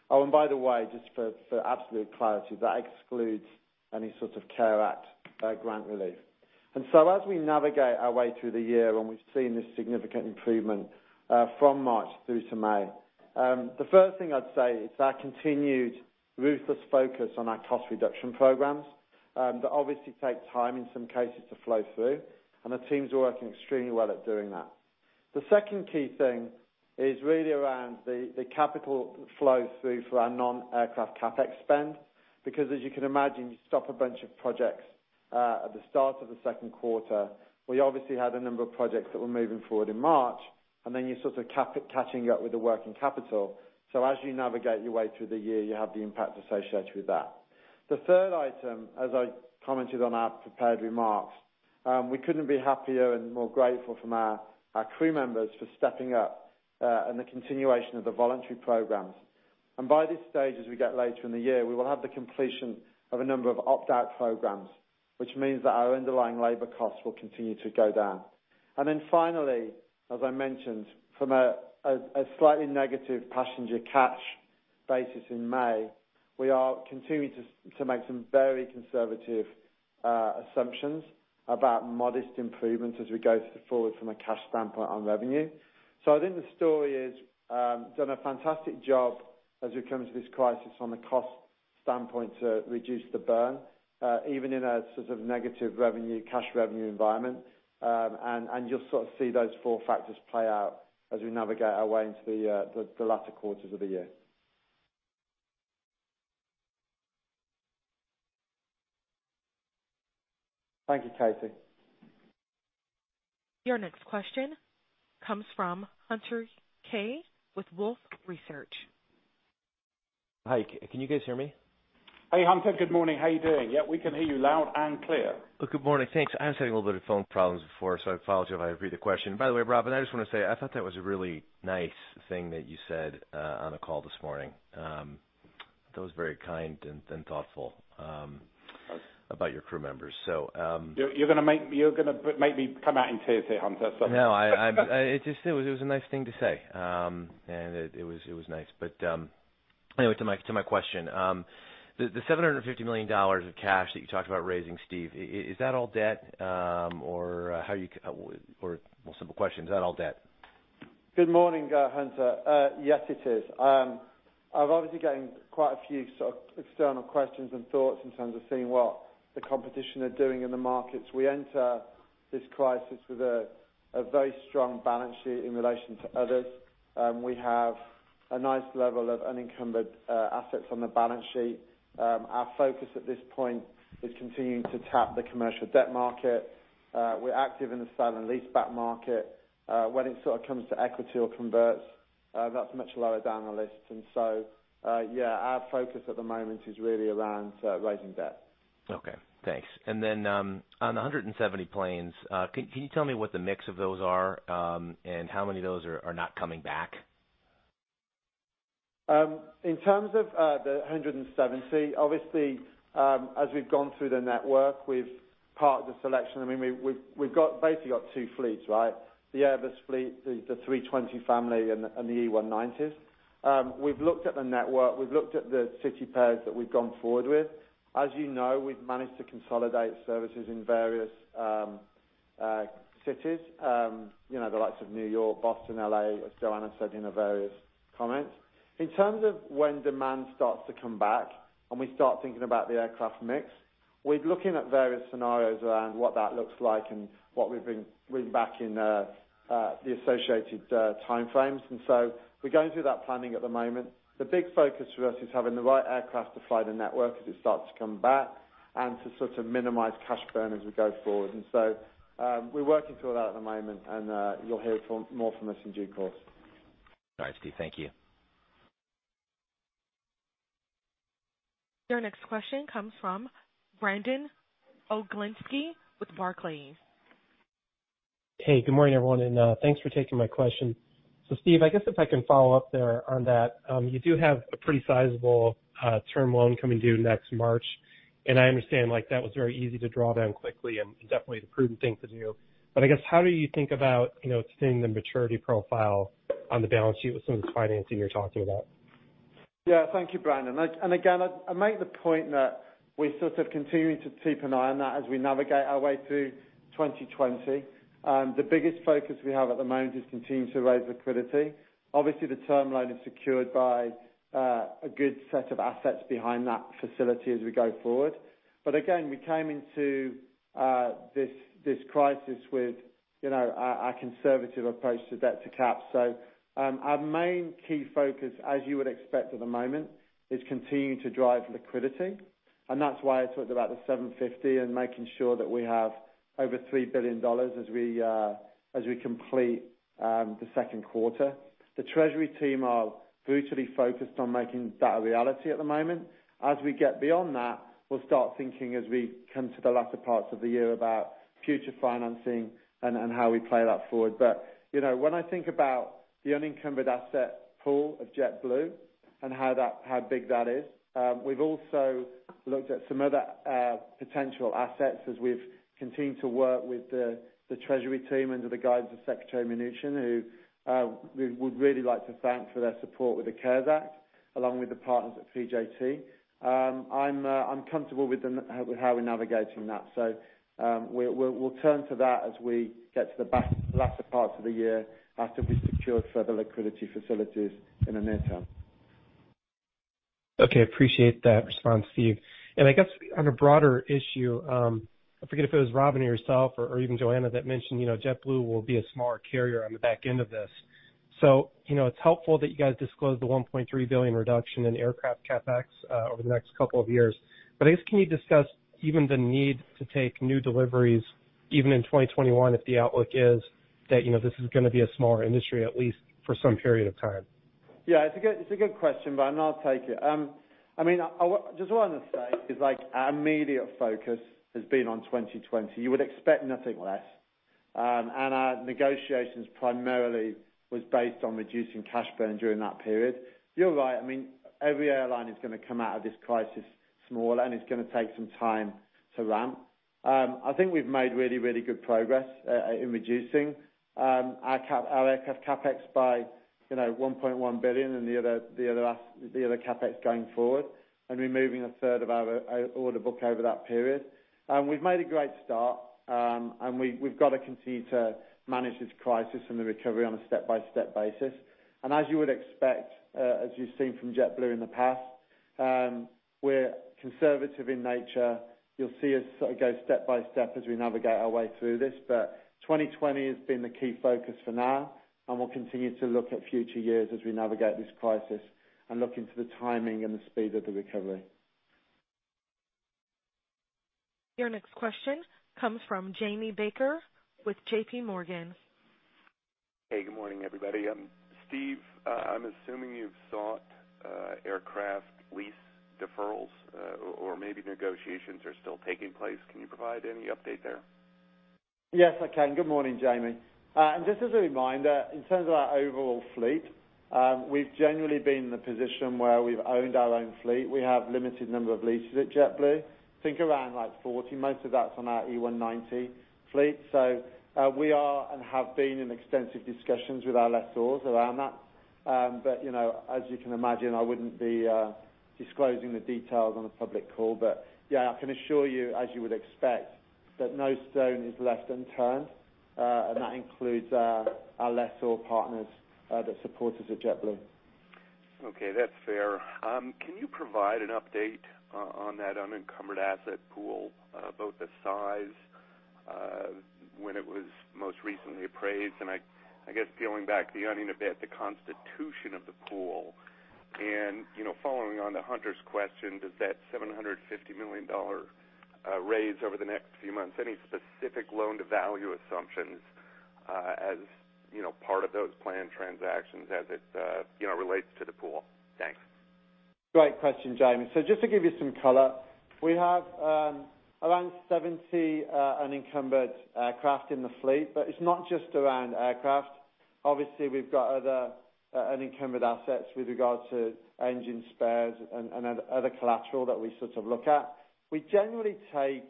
S5: By the way, just for absolute clarity, that excludes any sort of CARES Act grant relief. As we navigate our way through the year and we've seen this significant improvement from March through to May, the first thing I'd say is our continued ruthless focus on our cost reduction programs that obviously take time in some cases to flow through, and the teams are working extremely well at doing that. The second key thing is really around the capital flow through for our non-aircraft CapEx spend, because as you can imagine, you stop a bunch of projects at the start of the second quarter. We obviously had a number of projects that were moving forward in March, then you're sort of catching up with the working capital. As you navigate your way through the year, you have the impact associated with that. The third item, as I commented on our prepared remarks, we couldn't be happier and more grateful from our crew members for stepping up and the continuation of the voluntary programs. By this stage, as we get later in the year, we will have the completion of a number of opt-out programs, which means that our underlying labor costs will continue to go down. Finally, as I mentioned, from a slightly negative passenger cash basis in May, we are continuing to make some very conservative assumptions about modest improvements as we go forward from a cash standpoint on revenue. I think the story is done a fantastic job as we come to this crisis on the cost standpoint to reduce the burn, even in a sort of negative cash revenue environment. You'll sort of see those four factors play out as we navigate our way into the latter quarters of the year. Thank you, Cathy.
S1: Your next question comes from Hunter Keay with Wolfe Research.
S8: Hi, can you guys hear me?
S5: Hey, Hunter. Good morning. How you doing? Yeah, we can hear you loud and clear.
S8: Good morning. Thanks. I was having a little bit of phone problems before, so I apologize if I repeat the question. By the way, Robin, I just want to say, I thought that was a really nice thing that you said on the call this morning. That was very kind and thoughtful about your crew members.
S3: You're going to make me come out in tears here, Hunter.
S8: No, it was a nice thing to say. It was nice. Anyway, to my question. The $750 million of cash that you talked about raising, Steve, is that all debt? Well, simple question, is that all debt?
S5: Good morning, Hunter. Yes, it is. I've obviously gotten quite a few sort of external questions and thoughts in terms of seeing what the competition are doing in the markets. We enter this crisis with a very strong balance sheet in relation to others. We have a nice level of unencumbered assets on the balance sheet. Our focus at this point is continuing to tap the commercial debt market. We're active in the sale and leaseback market. When it sort of comes to equity or converts, that's much lower down the list. Yeah, our focus at the moment is really around raising debt.
S8: Okay, thanks. Then on the 170 planes, can you tell me what the mix of those are, and how many of those are not coming back?
S5: In terms of the 170, obviously, as we've gone through the network, we've parked a selection. I mean, we've basically got two fleets, right? The Airbus fleet, the 320 family, and the E190s. We've looked at the network. We've looked at the city pairs that we've gone forward with. As you know, we've managed to consolidate services in various cities, the likes of New York, Boston, L.A., as Joanna said in her various comments. In terms of when demand starts to come back and we start thinking about the aircraft mix, we're looking at various scenarios around what that looks like and what we bring back in the associated timeframes. We're going through that planning at the moment. The big focus for us is having the right aircraft to fly the network as it starts to come back and to sort of minimize cash burn as we go forward. We're working through that at the moment and you'll hear more from us in due course.
S8: All right, Steve. Thank you.
S1: Your next question comes from Brandon Oglenski with Barclays.
S9: Hey, good morning, everyone, and thanks for taking my question. Steve, I guess if I can follow up there on that. You do have a pretty sizable term loan coming due next March, and I understand that was very easy to draw down quickly and definitely the prudent thing to do. I guess how do you think about extending the maturity profile on the balance sheet with some of this financing you're talking about?
S5: Yeah. Thank you, Brandon. Again, I make the point that we sort of continue to keep an eye on that as we navigate our way through 2020. The biggest focus we have at the moment is continuing to raise liquidity. Obviously, the term loan is secured by a good set of assets behind that facility as we go forward. Again, we came into this crisis with a conservative approach to debt-to-cap. Our main key focus, as you would expect at the moment, is continuing to drive liquidity, and that's why I talked about the $750 million and making sure that we have over $3 billion as we complete the second quarter. The treasury team are brutally focused on making that a reality at the moment. As we get beyond that, we'll start thinking as we come to the latter parts of the year about future financing and how we play that forward. When I think about the unencumbered asset pool of JetBlue and how big that is, we've also looked at some other potential assets as we've continued to work with the treasury team under the guidance of Secretary Mnuchin, who we would really like to thank for their support with the CARES Act, along with the partners at CJT. I'm comfortable with how we're navigating that. We'll turn to that as we get to the latter parts of the year after we've secured further liquidity facilities in the near term.
S9: Okay. Appreciate that response, Steve. I guess on a broader issue, I forget if it was Robin or yourself or even Joanna that mentioned JetBlue will be a smaller carrier on the back end of this. It's helpful that you guys disclosed the $1.3 billion reduction in aircraft CapEx over the next couple of years. I guess, can you discuss even the need to take new deliveries even in 2021 if the outlook is that this is going to be a smaller industry, at least for some period of time?
S5: Yeah, it's a good question, Brandon. I'll take it. I mean, just what I want to say is our immediate focus has been on 2020. You would expect nothing less. Our negotiations primarily was based on reducing cash burn during that period. You're right. I mean, every airline is going to come out of this crisis smaller, and it's going to take some time to ramp. I think we've made really good progress in reducing our CapEx by $1.1 billion and the other CapEx going forward and removing a third of our order book over that period. We've made a great start, and we've got to continue to manage this crisis and the recovery on a step-by-step basis. As you would expect, as you've seen from JetBlue in the past, we're conservative in nature. You'll see us sort of go step by step as we navigate our way through this. 2020 has been the key focus for now, and we'll continue to look at future years as we navigate this crisis and look into the timing and the speed of the recovery.
S1: Your next question comes from Jamie Baker with JPMorgan.
S10: Hey, good morning, everybody. Steve, I'm assuming you've sought aircraft lease deferrals, or maybe negotiations are still taking place. Can you provide any update there?
S5: Yes, I can. Good morning, Jamie. Just as a reminder, in terms of our overall fleet, we've generally been in the position where we've owned our own fleet. We have limited number of leases at JetBlue, think around 40. Most of that's on our E190 fleet. We are, and have been in extensive discussions with our lessors around that. As you can imagine, I wouldn't be disclosing the details on a public call. Yeah, I can assure you, as you would expect, that no stone is left unturned, and that includes our lessor partners that support us at JetBlue.
S10: Okay, that's fair. Can you provide an update on that unencumbered asset pool, both the size, when it was most recently appraised, and I guess peeling back the onion a bit, the constitution of the pool. Following on to Hunter's question, does that $750 million raise over the next few months, any specific loan-to-value assumptions as part of those planned transactions as it relates to the pool? Thanks.
S5: Great question, Jamie. Just to give you some color, we have around 70 unencumbered aircraft in the fleet, but it's not just around aircraft. Obviously, we've got other unencumbered assets with regards to engine spares and other collateral that we sort of look at. We generally take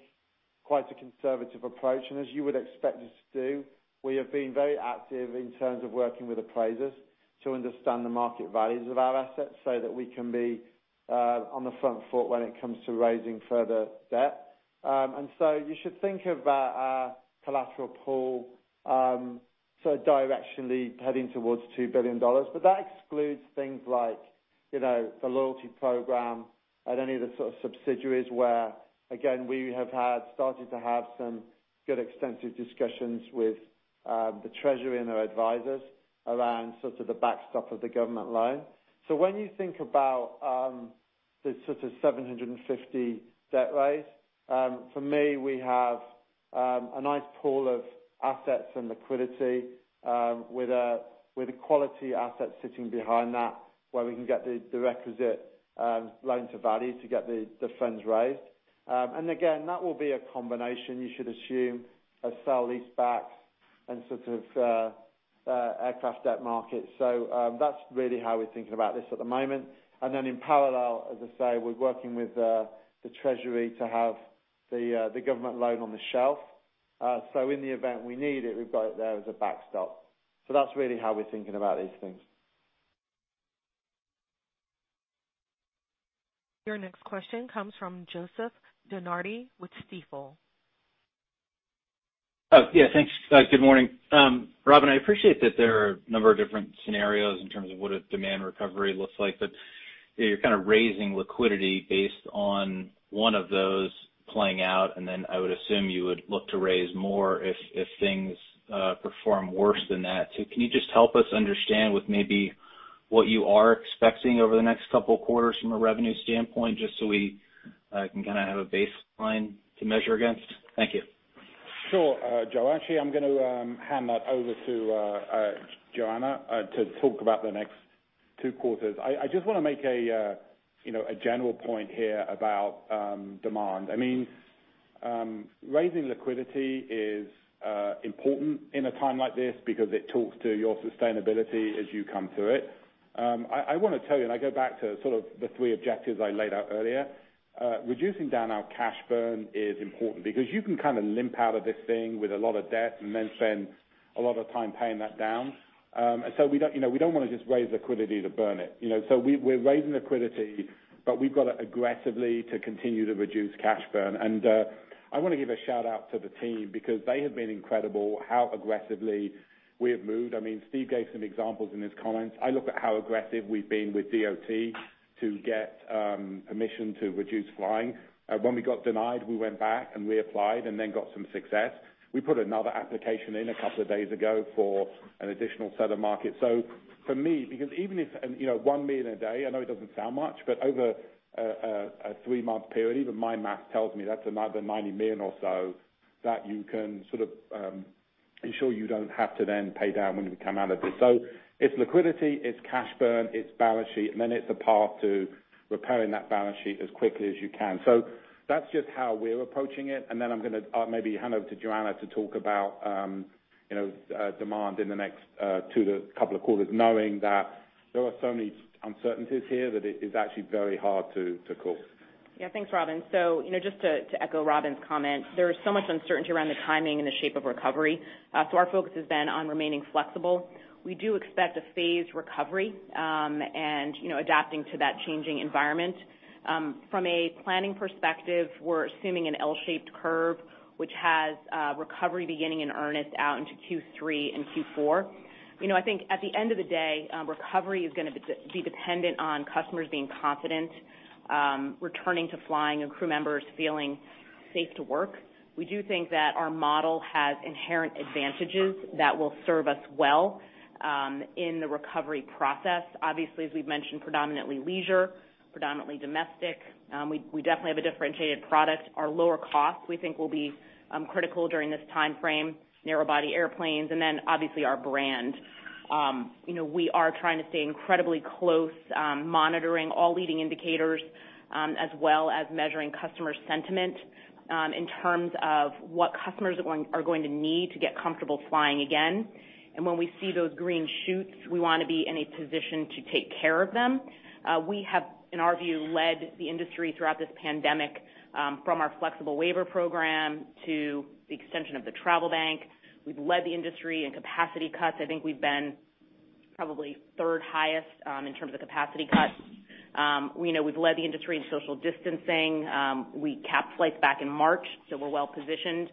S5: quite a conservative approach, and as you would expect us to do, we have been very active in terms of working with appraisers to understand the market values of our assets so that we can be on the front foot when it comes to raising further debt. You should think of our collateral pool directionally heading towards $2 billion. That excludes things like the loyalty program at any of the subsidiaries where, again, we have started to have some good extensive discussions with the Treasury and their advisors around the backstop of the government loan. When you think about the $750 million debt raise, for me, we have a nice pool of assets and liquidity with the quality assets sitting behind that, where we can get the requisite loan to value to get the funds raised. Again, that will be a combination, you should assume, of sell leasebacks and aircraft debt markets. That's really how we're thinking about this at the moment. In parallel, as I say, we're working with the Treasury to have the government loan on the shelf. In the event we need it, we've got it there as a backstop. That's really how we're thinking about these things.
S1: Your next question comes from Joseph DeNardi with Stifel.
S11: Yeah, thanks. Good morning. Robin, I appreciate that there are a number of different scenarios in terms of what a demand recovery looks like, but you're kind of raising liquidity based on one of those playing out, and then I would assume you would look to raise more if things perform worse than that. Can you just help us understand with maybe what you are expecting over the next couple of quarters from a revenue standpoint, just so we can have a baseline to measure against? Thank you.
S3: Sure, Joe. Actually, I'm going to hand that over to Joanna to talk about the next two quarters. I just want to make a general point here about demand. Raising liquidity is important in a time like this because it talks to your sustainability as you come to it. I want to tell you, I go back to the three objectives I laid out earlier. Reducing down our cash burn is important because you can kind of limp out of this thing with a lot of debt and then spend a lot of time paying that down. We don't want to just raise liquidity to burn it. We're raising liquidity, but we've got to aggressively continue to reduce cash burn. I want to give a shout-out to the team because they have been incredible how aggressively we have moved. Steve gave some examples in his comments. I look at how aggressive we've been with DOT to get permission to reduce flying. When we got denied, we went back and reapplied and then got some success. We put another application in a couple of days ago for an additional set of markets. For me, because even if $1 million a day, I know it doesn't sound much, but over a three-month period, even my math tells me that's another $90 million or so that you can ensure you don't have to then pay down when we come out of this. It's liquidity, it's cash burn, it's balance sheet, and then it's a path to repairing that balance sheet as quickly as you can. That's just how we're approaching it, and then I'm going to maybe hand over to Joanna to talk about demand in the next two couple of quarters, knowing that there are so many uncertainties here that it is actually very hard to call.
S4: Yeah. Thanks, Robin. Just to echo Robin's comment, there is so much uncertainty around the timing and the shape of recovery. Our focus has been on remaining flexible. We do expect a phased recovery, and adapting to that changing environment. From a planning perspective, we're assuming an L-shaped curve, which has recovery beginning in earnest out into Q3 and Q4. I think at the end of the day, recovery is going to be dependent on customers being confident, returning to flying, and crew members feeling safe to work. We do think that our model has inherent advantages that will serve us well in the recovery process. As we've mentioned, predominantly leisure, predominantly domestic. We definitely have a differentiated product. Our lower cost, we think, will be critical during this timeframe, narrow-body airplanes, our brand. We are trying to stay incredibly close, monitoring all leading indicators, as well as measuring customer sentiment in terms of what customers are going to need to get comfortable flying again. When we see those green shoots, we want to be in a position to take care of them. We have, in our view, led the industry throughout this pandemic, from our flexible waiver program to the extension of the travel bank. We've led the industry in capacity cuts. I think we've been probably third highest in terms of the capacity cuts. We've led the industry in social distancing. We capped flights back in March. We're well-positioned.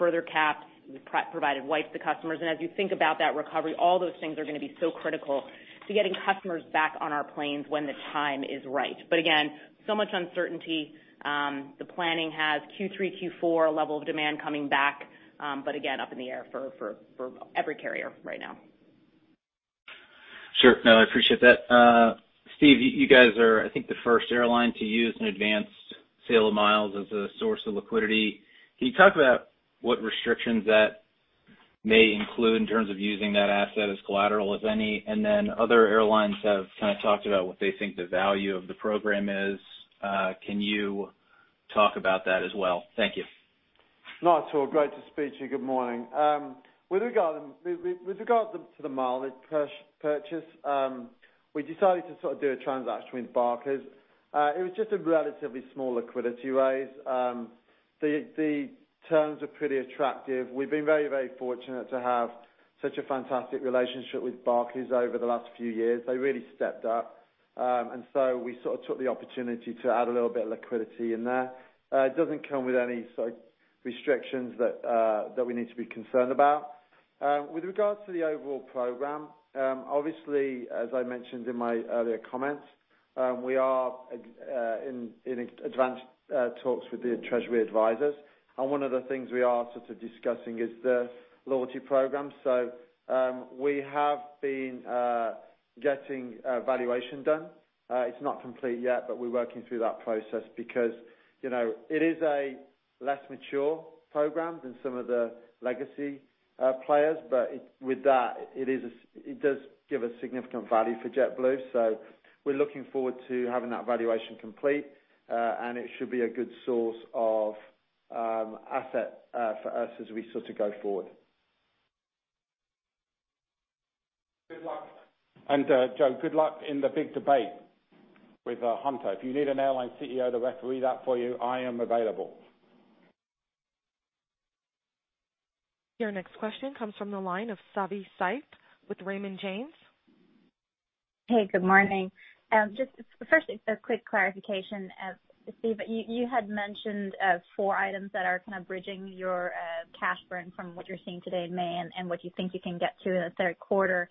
S4: Further capped. We provided wipes to customers. As you think about that recovery, all those things are going to be so critical to getting customers back on our planes when the time is right. Again, so much uncertainty. The planning has Q3, Q4 level of demand coming back. Again, up in the air for every carrier right now.
S11: Sure. No, I appreciate that. Steve, you guys are, I think, the first airline to use an advanced sale of miles as a source of liquidity. Can you talk about what restrictions that may include in terms of using that asset as collateral, if any? Other airlines have kind of talked about what they think the value of the program is. Can you talk about that as well? Thank you.
S5: Not at all. Great to speak to you. Good morning. With regard to the mileage purchase, we decided to sort of do a transaction with Barclays. It was just a relatively small liquidity raise. The terms are pretty attractive. We've been very fortunate to have such a fantastic relationship with Barclays over the last few years. They really stepped up. We sort of took the opportunity to add a little bit of liquidity in there. It doesn't come with any sort of restrictions that we need to be concerned about. With regards to the overall program, obviously, as I mentioned in my earlier comments, we are in advanced talks with the Treasury advisors. One of the things we are sort of discussing is the loyalty program. We have been getting a valuation done. It's not complete yet, but we're working through that process because it is a less mature program than some of the legacy players. With that, it does give a significant value for JetBlue, so we're looking forward to having that valuation complete. It should be a good source of asset for us as we sort of go forward.
S3: Good luck. Joe, good luck in the big debate with Hunter. If you need an airline CEO to referee that for you, I am available.
S1: Your next question comes from the line of Savanthi Syth with Raymond James.
S12: Hey, good morning. Just first, a quick clarification. Steve, you had mentioned four items that are kind of bridging your cash burn from what you're seeing today in May and what you think you can get to in the third quarter.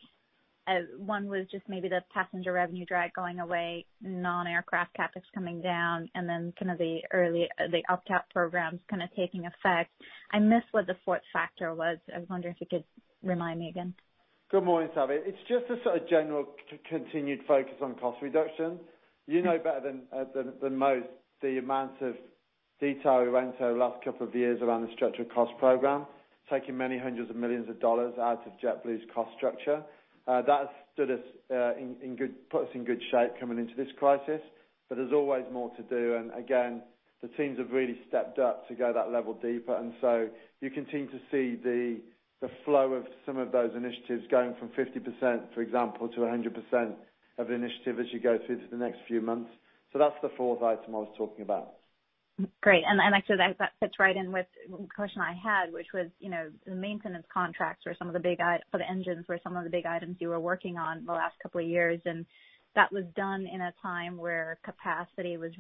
S12: One was just maybe the passenger revenue drag going away, non-aircraft CapEx coming down, and then kind of the early up-cap programs kind of taking effect. I missed what the fourth factor was. I was wondering if you could remind me again.
S5: Good morning, Sava. It's just a sort of general continued focus on cost reduction. You know better than most the amount of detail we went over the last couple of years around the structured cost program, taking many hundreds of millions of dollars out of JetBlue's cost structure. That has put us in good shape coming into this crisis, but there's always more to do. Again, the teams have really stepped up to go that level deeper. You continue to see the flow of some of those initiatives going from 50%, for example, to 100% of initiative as you go through to the next few months. That's the fourth item I was talking about.
S12: Great. Actually, that fits right in with a question I had, which was the maintenance contracts for the engines were some of the big items you were working on the last couple of years, and that was done in a time where supply was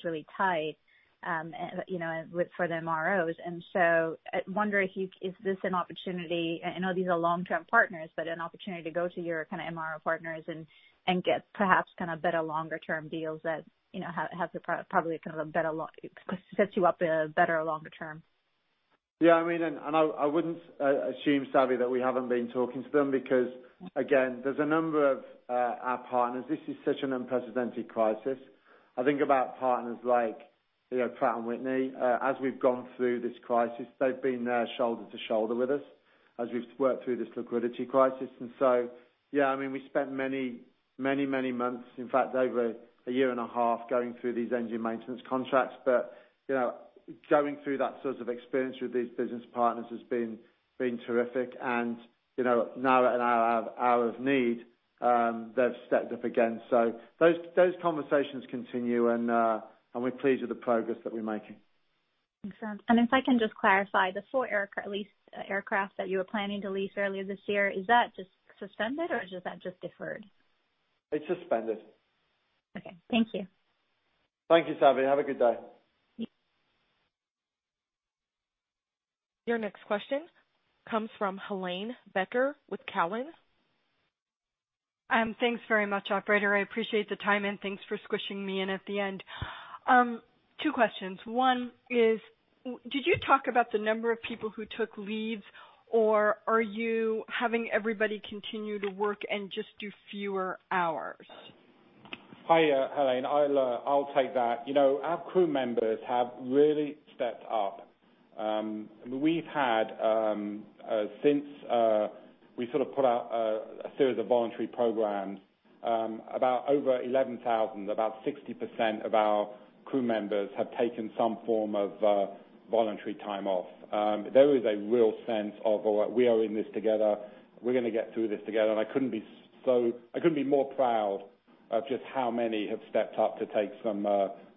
S12: really tight for the MROs. I wonder if you, is this an opportunity, I know these are long-term partners, but an opportunity to go to your kind of MRO partners and get perhaps kind of better longer-term deals that sets you up better longer term?
S5: Yeah. I mean, I wouldn't assume, Sava, that we haven't been talking to them because, again, there's a number of our partners. This is such an unprecedented crisis. I think about partners like Pratt & Whitney. As we've gone through this crisis, they've been there shoulder to shoulder with us as we've worked through this liquidity crisis. Yeah, I mean, we spent many months, in fact, over a year and a half going through these engine maintenance contracts. Going through that sort of experience with these business partners has been terrific. Now in our hour of need, they've stepped up again. Those conversations continue, and we're pleased with the progress that we're making.
S12: Makes sense. If I can just clarify, the four aircraft that you were planning to lease earlier this year, is that just suspended or is that just deferred?
S3: It's suspended.
S12: Okay. Thank you.
S3: Thank you, Sava. Have a good day.
S1: Your next question comes from Helane Becker with Cowen.
S13: Thanks very much, operator. I appreciate the time, and thanks for squishing me in at the end. Two questions. One is, did you talk about the number of people who took leaves, or are you having everybody continue to work and just do fewer hours?
S3: Hi, Helane. I'll take that. Our crew members have really stepped up. Since we put out a series of voluntary programs, about over 11,000, about 60% of our crew members have taken some form of voluntary time off. There is a real sense of, "We are in this together. We're going to get through this together." I couldn't be more proud of just how many have stepped up to take some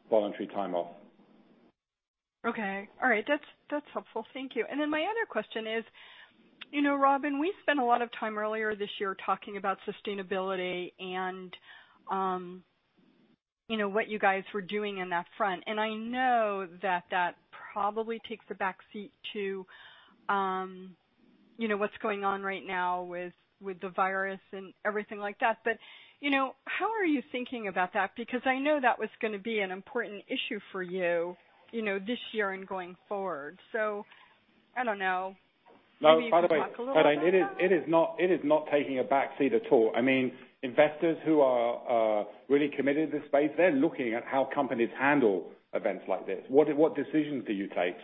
S3: voluntary time off.
S13: Okay. All right. That's helpful. Thank you. My other question is, Robin, we spent a lot of time earlier this year talking about sustainability and what you guys were doing in that front. I know that that probably takes a back seat to what's going on right now with the virus and everything like that. How are you thinking about that? Because I know that was going to be an important issue for you this year and going forward. I don't know. Maybe you can talk a little about that.
S3: No, by the way, Helane, it is not taking a back seat at all. Investors who are really committed to the space, they're looking at how companies handle events like this. What decisions do you take?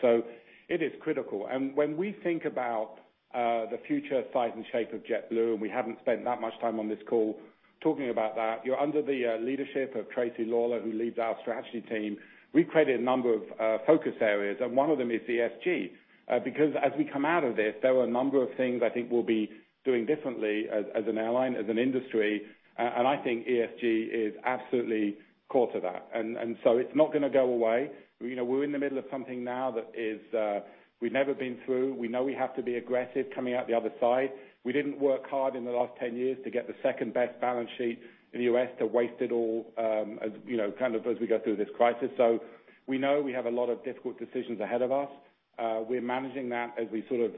S3: It is critical. When we think about the future size and shape of JetBlue, and we haven't spent that much time on this call talking about that, under the leadership of Tracy Lawlor, who leads our strategy team, we've created a number of focus areas, and one of them is ESG. As we come out of this, there are a number of things I think we'll be doing differently as an airline, as an industry, and I think ESG is absolutely core to that. It's not going to go away. We're in the middle of something now that we've never been through. We know we have to be aggressive coming out the other side. We didn't work hard in the last 10 years to get the second-best balance sheet in the U.S. to waste it all as we go through this crisis. We know we have a lot of difficult decisions ahead of us. We're managing that as we work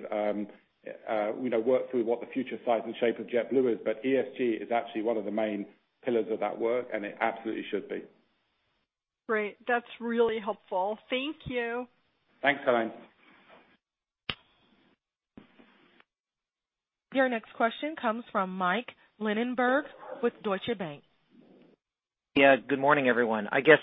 S3: through what the future size and shape of JetBlue is. ESG is actually one of the main pillars of that work, and it absolutely should be.
S13: Great. That's really helpful. Thank you.
S3: Thanks, Helane.
S1: Your next question comes from Mike Linenberg with Deutsche Bank.
S14: Good morning, everyone. I guess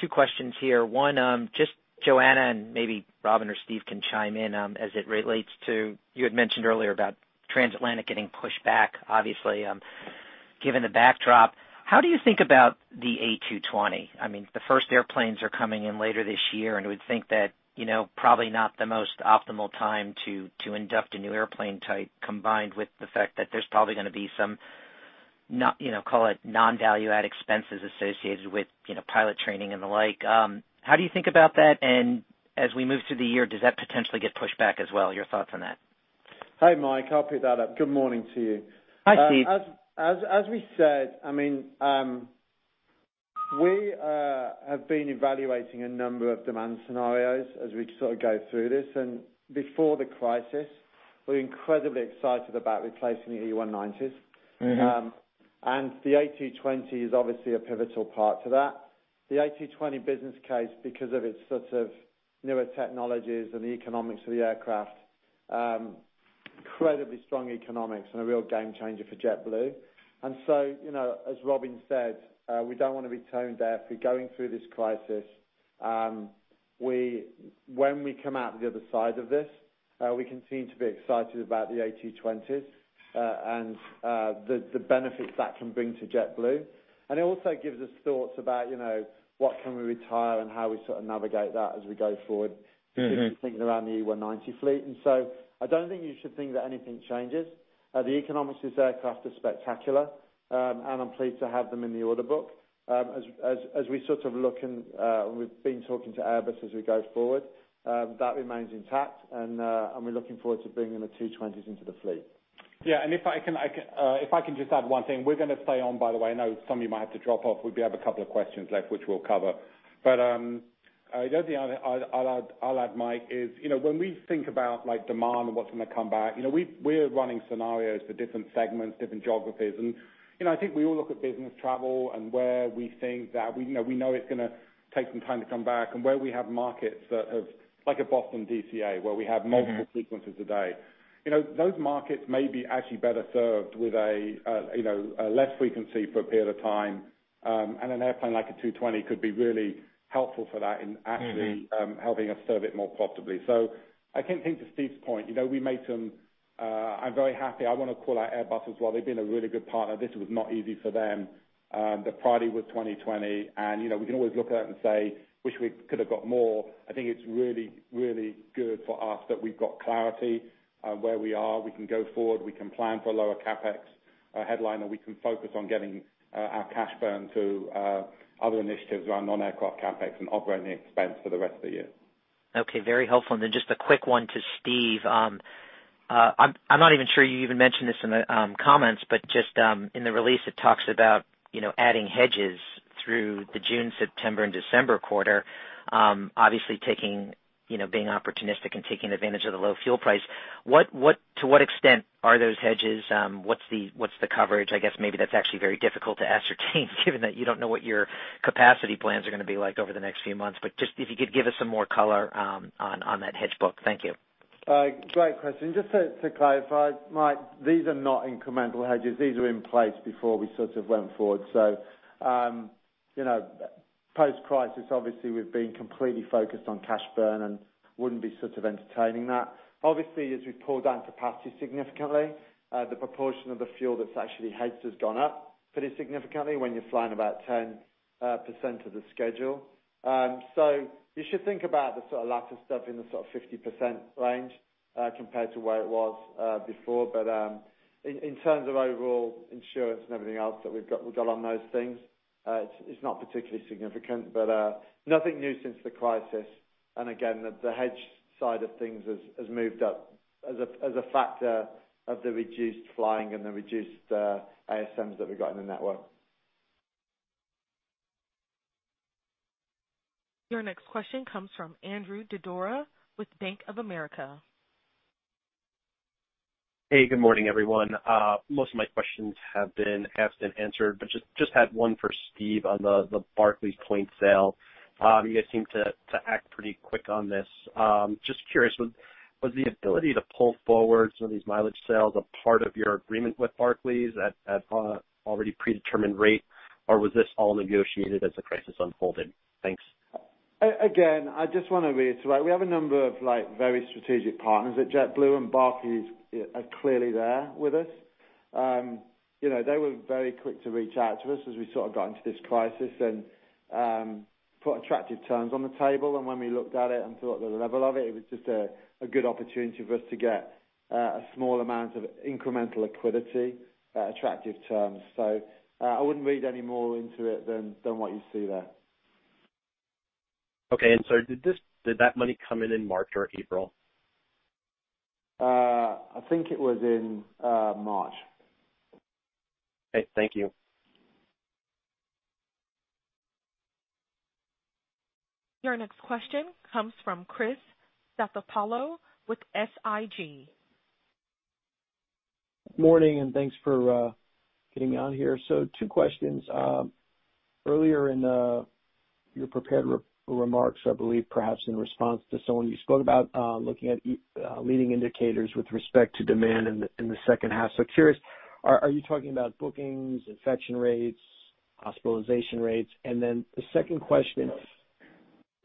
S14: two questions here. One, just Joanna, and maybe Robin or Steve can chime in as it relates to, you had mentioned earlier about transatlantic getting pushed back. Obviously, given the backdrop, how do you think about the A220? The first airplanes are coming in later this year, and we'd think that probably not the most optimal time to induct a new airplane type, combined with the fact that there's probably going to be some, call it non-value-add expenses associated with pilot training and the like. How do you think about that? As we move through the year, does that potentially get pushed back as well? Your thoughts on that.
S5: Hi, Mike. I'll pick that up. Good morning to you.
S14: Hi, Steve.
S5: As we said, we have been evaluating a number of demand scenarios as we go through this. Before the crisis, we were incredibly excited about replacing the E190s. The A220 is obviously a pivotal part to that. The A220 business case, because of its newer technologies and the economics of the aircraft, incredibly strong economics and a real game changer for JetBlue. As Robin said, we don't want to be tone deaf. We're going through this crisis. When we come out the other side of this, we continue to be excited about the A220s and the benefits that can bring to JetBlue. It also gives us thoughts about what can we retire and how we navigate that as we go forward. If you're thinking around the E190 fleet. I don't think you should think that anything changes. The economics of this aircraft are spectacular, and I'm pleased to have them in the order book. As we look and we've been talking to Airbus as we go forward, that remains intact, and we're looking forward to bringing the A220s into the fleet.
S3: Yeah, if I can just add one thing. We're going to stay on, by the way. I know some of you might have to drop off. We have a couple of questions left, which we'll cover. The other thing I'll add, Mike, is when we think about demand and what's going to come back, we're running scenarios for different segments, different geographies. I think we all look at business travel and where we think that we know it's going to take some time to come back and where we have markets like at Boston DCA, where we have multiple frequencies a day. Those markets may be actually better served with a less frequency for a period of time, and an airplane like an A220 could be really helpful for that in actually helping us serve it more profitably. I can think to Steve's point, I'm very happy. I want to call out Airbus as well. They've been a really good partner. This was not easy for them. The priority was 2020, and we can always look at it and say, "Wish we could have got more." I think it's really good for us that we've got clarity on where we are. We can go forward. We can plan for lower CapEx headline. We can focus on getting our cash burn to other initiatives around non-aircraft CapEx and operating expense for the rest of the year.
S14: Okay. Very helpful. Then just a quick one to Steve. I'm not even sure you even mentioned this in the comments, but just in the release, it talks about adding hedges through the June, September, and December quarter, obviously being opportunistic and taking advantage of the low fuel price. To what extent are those hedges? What's the coverage? I guess maybe that's actually very difficult to ascertain, given that you don't know what your capacity plans are going to be like over the next few months. Just if you could give us some more color on that hedge book. Thank you.
S5: Great question. Just to clarify, Mike, these are not incremental hedges. These were in place before we went forward. Post-crisis, obviously, we've been completely focused on cash burn and wouldn't be entertaining that. Obviously, as we pulled down capacity significantly, the proportion of the fuel that's actually hedged has gone up pretty significantly when you're flying about 10% of the schedule. You should think about the sort of latter stuff in the 50% range compared to where it was before. In terms of overall insurance and everything else that we've got on those things, it's not particularly significant. Nothing new since the crisis. Again, the hedge side of things has moved up as a factor of the reduced flying and the reduced ASMs that we've got in the network.
S1: Your next question comes from Andrew Didora with Bank of America.
S15: Hey, good morning, everyone. Most of my questions have been asked and answered, but just had one for Steve on the Barclays point sale. You guys seemed to act pretty quick on this. Just curious, was the ability to pull forward some of these mileage sales a part of your agreement with Barclays at already predetermined rate, or was this all negotiated as the crisis unfolded? Thanks.
S3: Again, I just want to reiterate, we have a number of very strategic partners at JetBlue, and Barclays are clearly there with us. They were very quick to reach out to us as we got into this crisis and put attractive terms on the table. When we looked at it and thought the level of it was just a good opportunity for us to get a small amount of incremental liquidity at attractive terms. I wouldn't read any more into it than what you see there.
S15: Okay. Did that money come in in March or April?
S3: I think it was in March.
S15: Okay. Thank you.
S1: Your next question comes from Chris Stathoulopoulos with SIG.
S16: Morning. Thanks for getting me on here. Two questions. Earlier in your prepared remarks, I believe perhaps in response to someone, you spoke about looking at leading indicators with respect to demand in the second half. Curious, are you talking about bookings, infection rates, hospitalization rates? The second question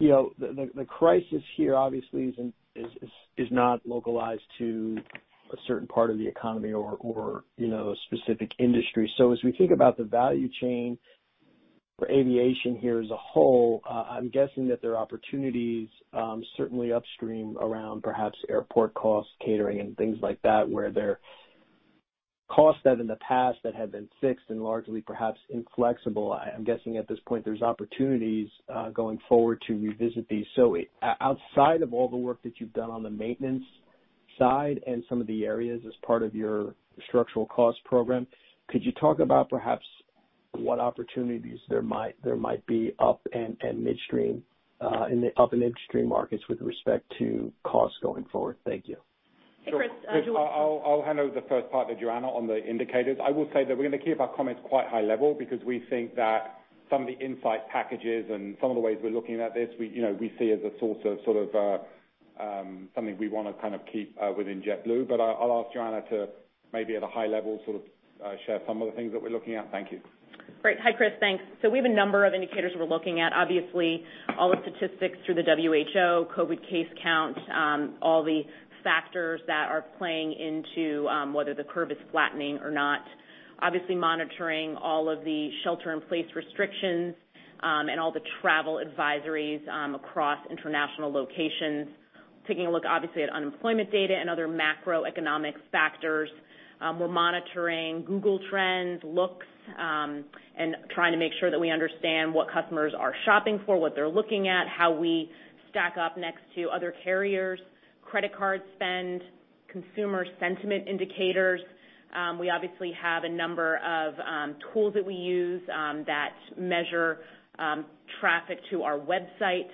S16: is, the crisis here obviously is not localized to a certain part of the economy or a specific industry. As we think about the value chain for aviation here as a whole, I'm guessing that there are opportunities certainly upstream around perhaps airport costs, catering, and things like that, where there are costs that in the past have been fixed and largely perhaps inflexible. I'm guessing at this point there's opportunities going forward to revisit these. Outside of all the work that you've done on the maintenance side and some of the areas as part of your structural cost program, could you talk about perhaps what opportunities there might be up and midstream in the up- and midstream markets with respect to costs going forward? Thank you.
S3: Hey, Chris. Joanna. Chris, I'll handle the first part there, Joanna, on the indicators. I will say that we're going to keep our comments quite high level because we think that some of the insight packages and some of the ways we're looking at this we see as a source of something we want to kind of keep within JetBlue. I'll ask Joanna to maybe at a high level sort of share some of the things that we're looking at. Thank you.
S4: Great. Hi, Chris. Thanks. We have a number of indicators we're looking at. Obviously, all the statistics through the WHO, COVID case counts, all the factors that are playing into whether the curve is flattening or not. Obviously monitoring all of the shelter-in-place restrictions and all the travel advisories across international locations. Taking a look, obviously, at unemployment data and other macroeconomic factors. We're monitoring Google Trends looks and trying to make sure that we understand what customers are shopping for, what they're looking at, how we stack up next to other carriers, credit card spend, consumer sentiment indicators. We obviously have a number of tools that we use that measure traffic to our website,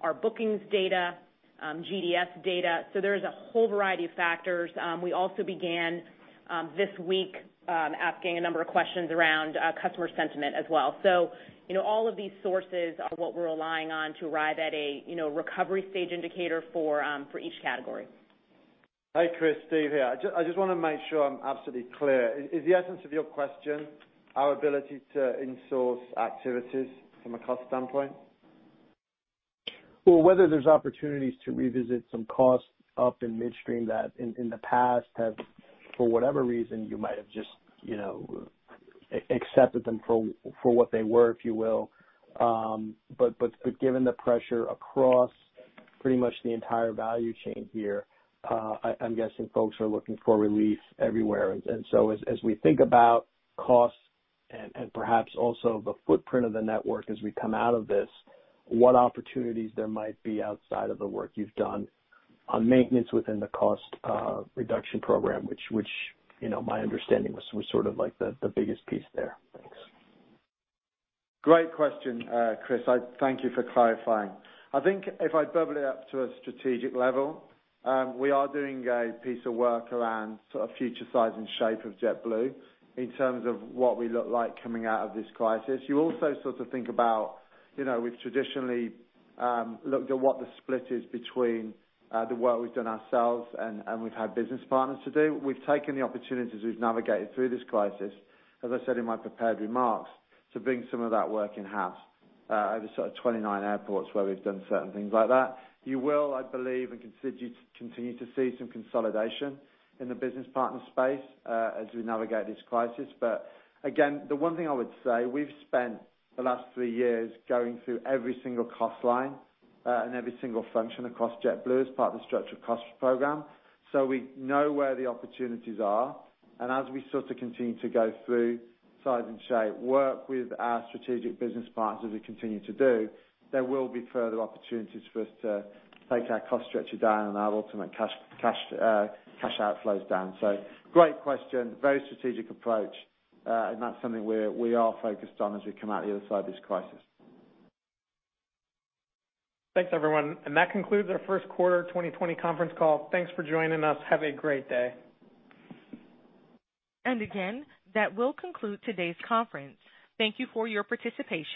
S4: our bookings data, GDS data. There is a whole variety of factors. We also began this week asking a number of questions around customer sentiment as well. All of these sources are what we're relying on to arrive at a recovery stage indicator for each category.
S5: Hi, Chris. Steve here. I just want to make sure I'm absolutely clear. Is the essence of your question our ability to in-source activities from a cost standpoint?
S16: Well, whether there's opportunities to revisit some costs up in midstream that in the past have, for whatever reason, you might have just accepted them for what they were, if you will. Given the pressure across pretty much the entire value chain here, I'm guessing folks are looking for relief everywhere. As we think about costs and perhaps also the footprint of the network as we come out of this, what opportunities there might be outside of the work you've done on maintenance within the cost reduction program, which my understanding was sort of the biggest piece there. Thanks.
S5: Great question, Chris. Thank you for clarifying. I think if I bubble it up to a strategic level, we are doing a piece of work around sort of future size and shape of JetBlue in terms of what we look like coming out of this crisis. You also sort of think about we've traditionally looked at what the split is between the work we've done ourselves and we've had business partners to do. We've taken the opportunities we've navigated through this crisis, as I said in my prepared remarks, to bring some of that work in-house over sort of 29 airports where we've done certain things like that. You will, I believe, continue to see some consolidation in the business partner space as we navigate this crisis. Again, the one thing I would say, we've spent the last three years going through every single cost line and every single function across JetBlue as part of the structured cost program. We know where the opportunities are. As we sort of continue to go through size and shape work with our strategic business partners as we continue to do, there will be further opportunities for us to take our cost structure down and our ultimate cash outflows down. Great question. Very strategic approach. That's something we are focused on as we come out the other side of this crisis.
S2: Thanks, everyone. That concludes our first quarter 2020 conference call. Thanks for joining us. Have a great day.
S1: Again, that will conclude today's conference. Thank you for your participation.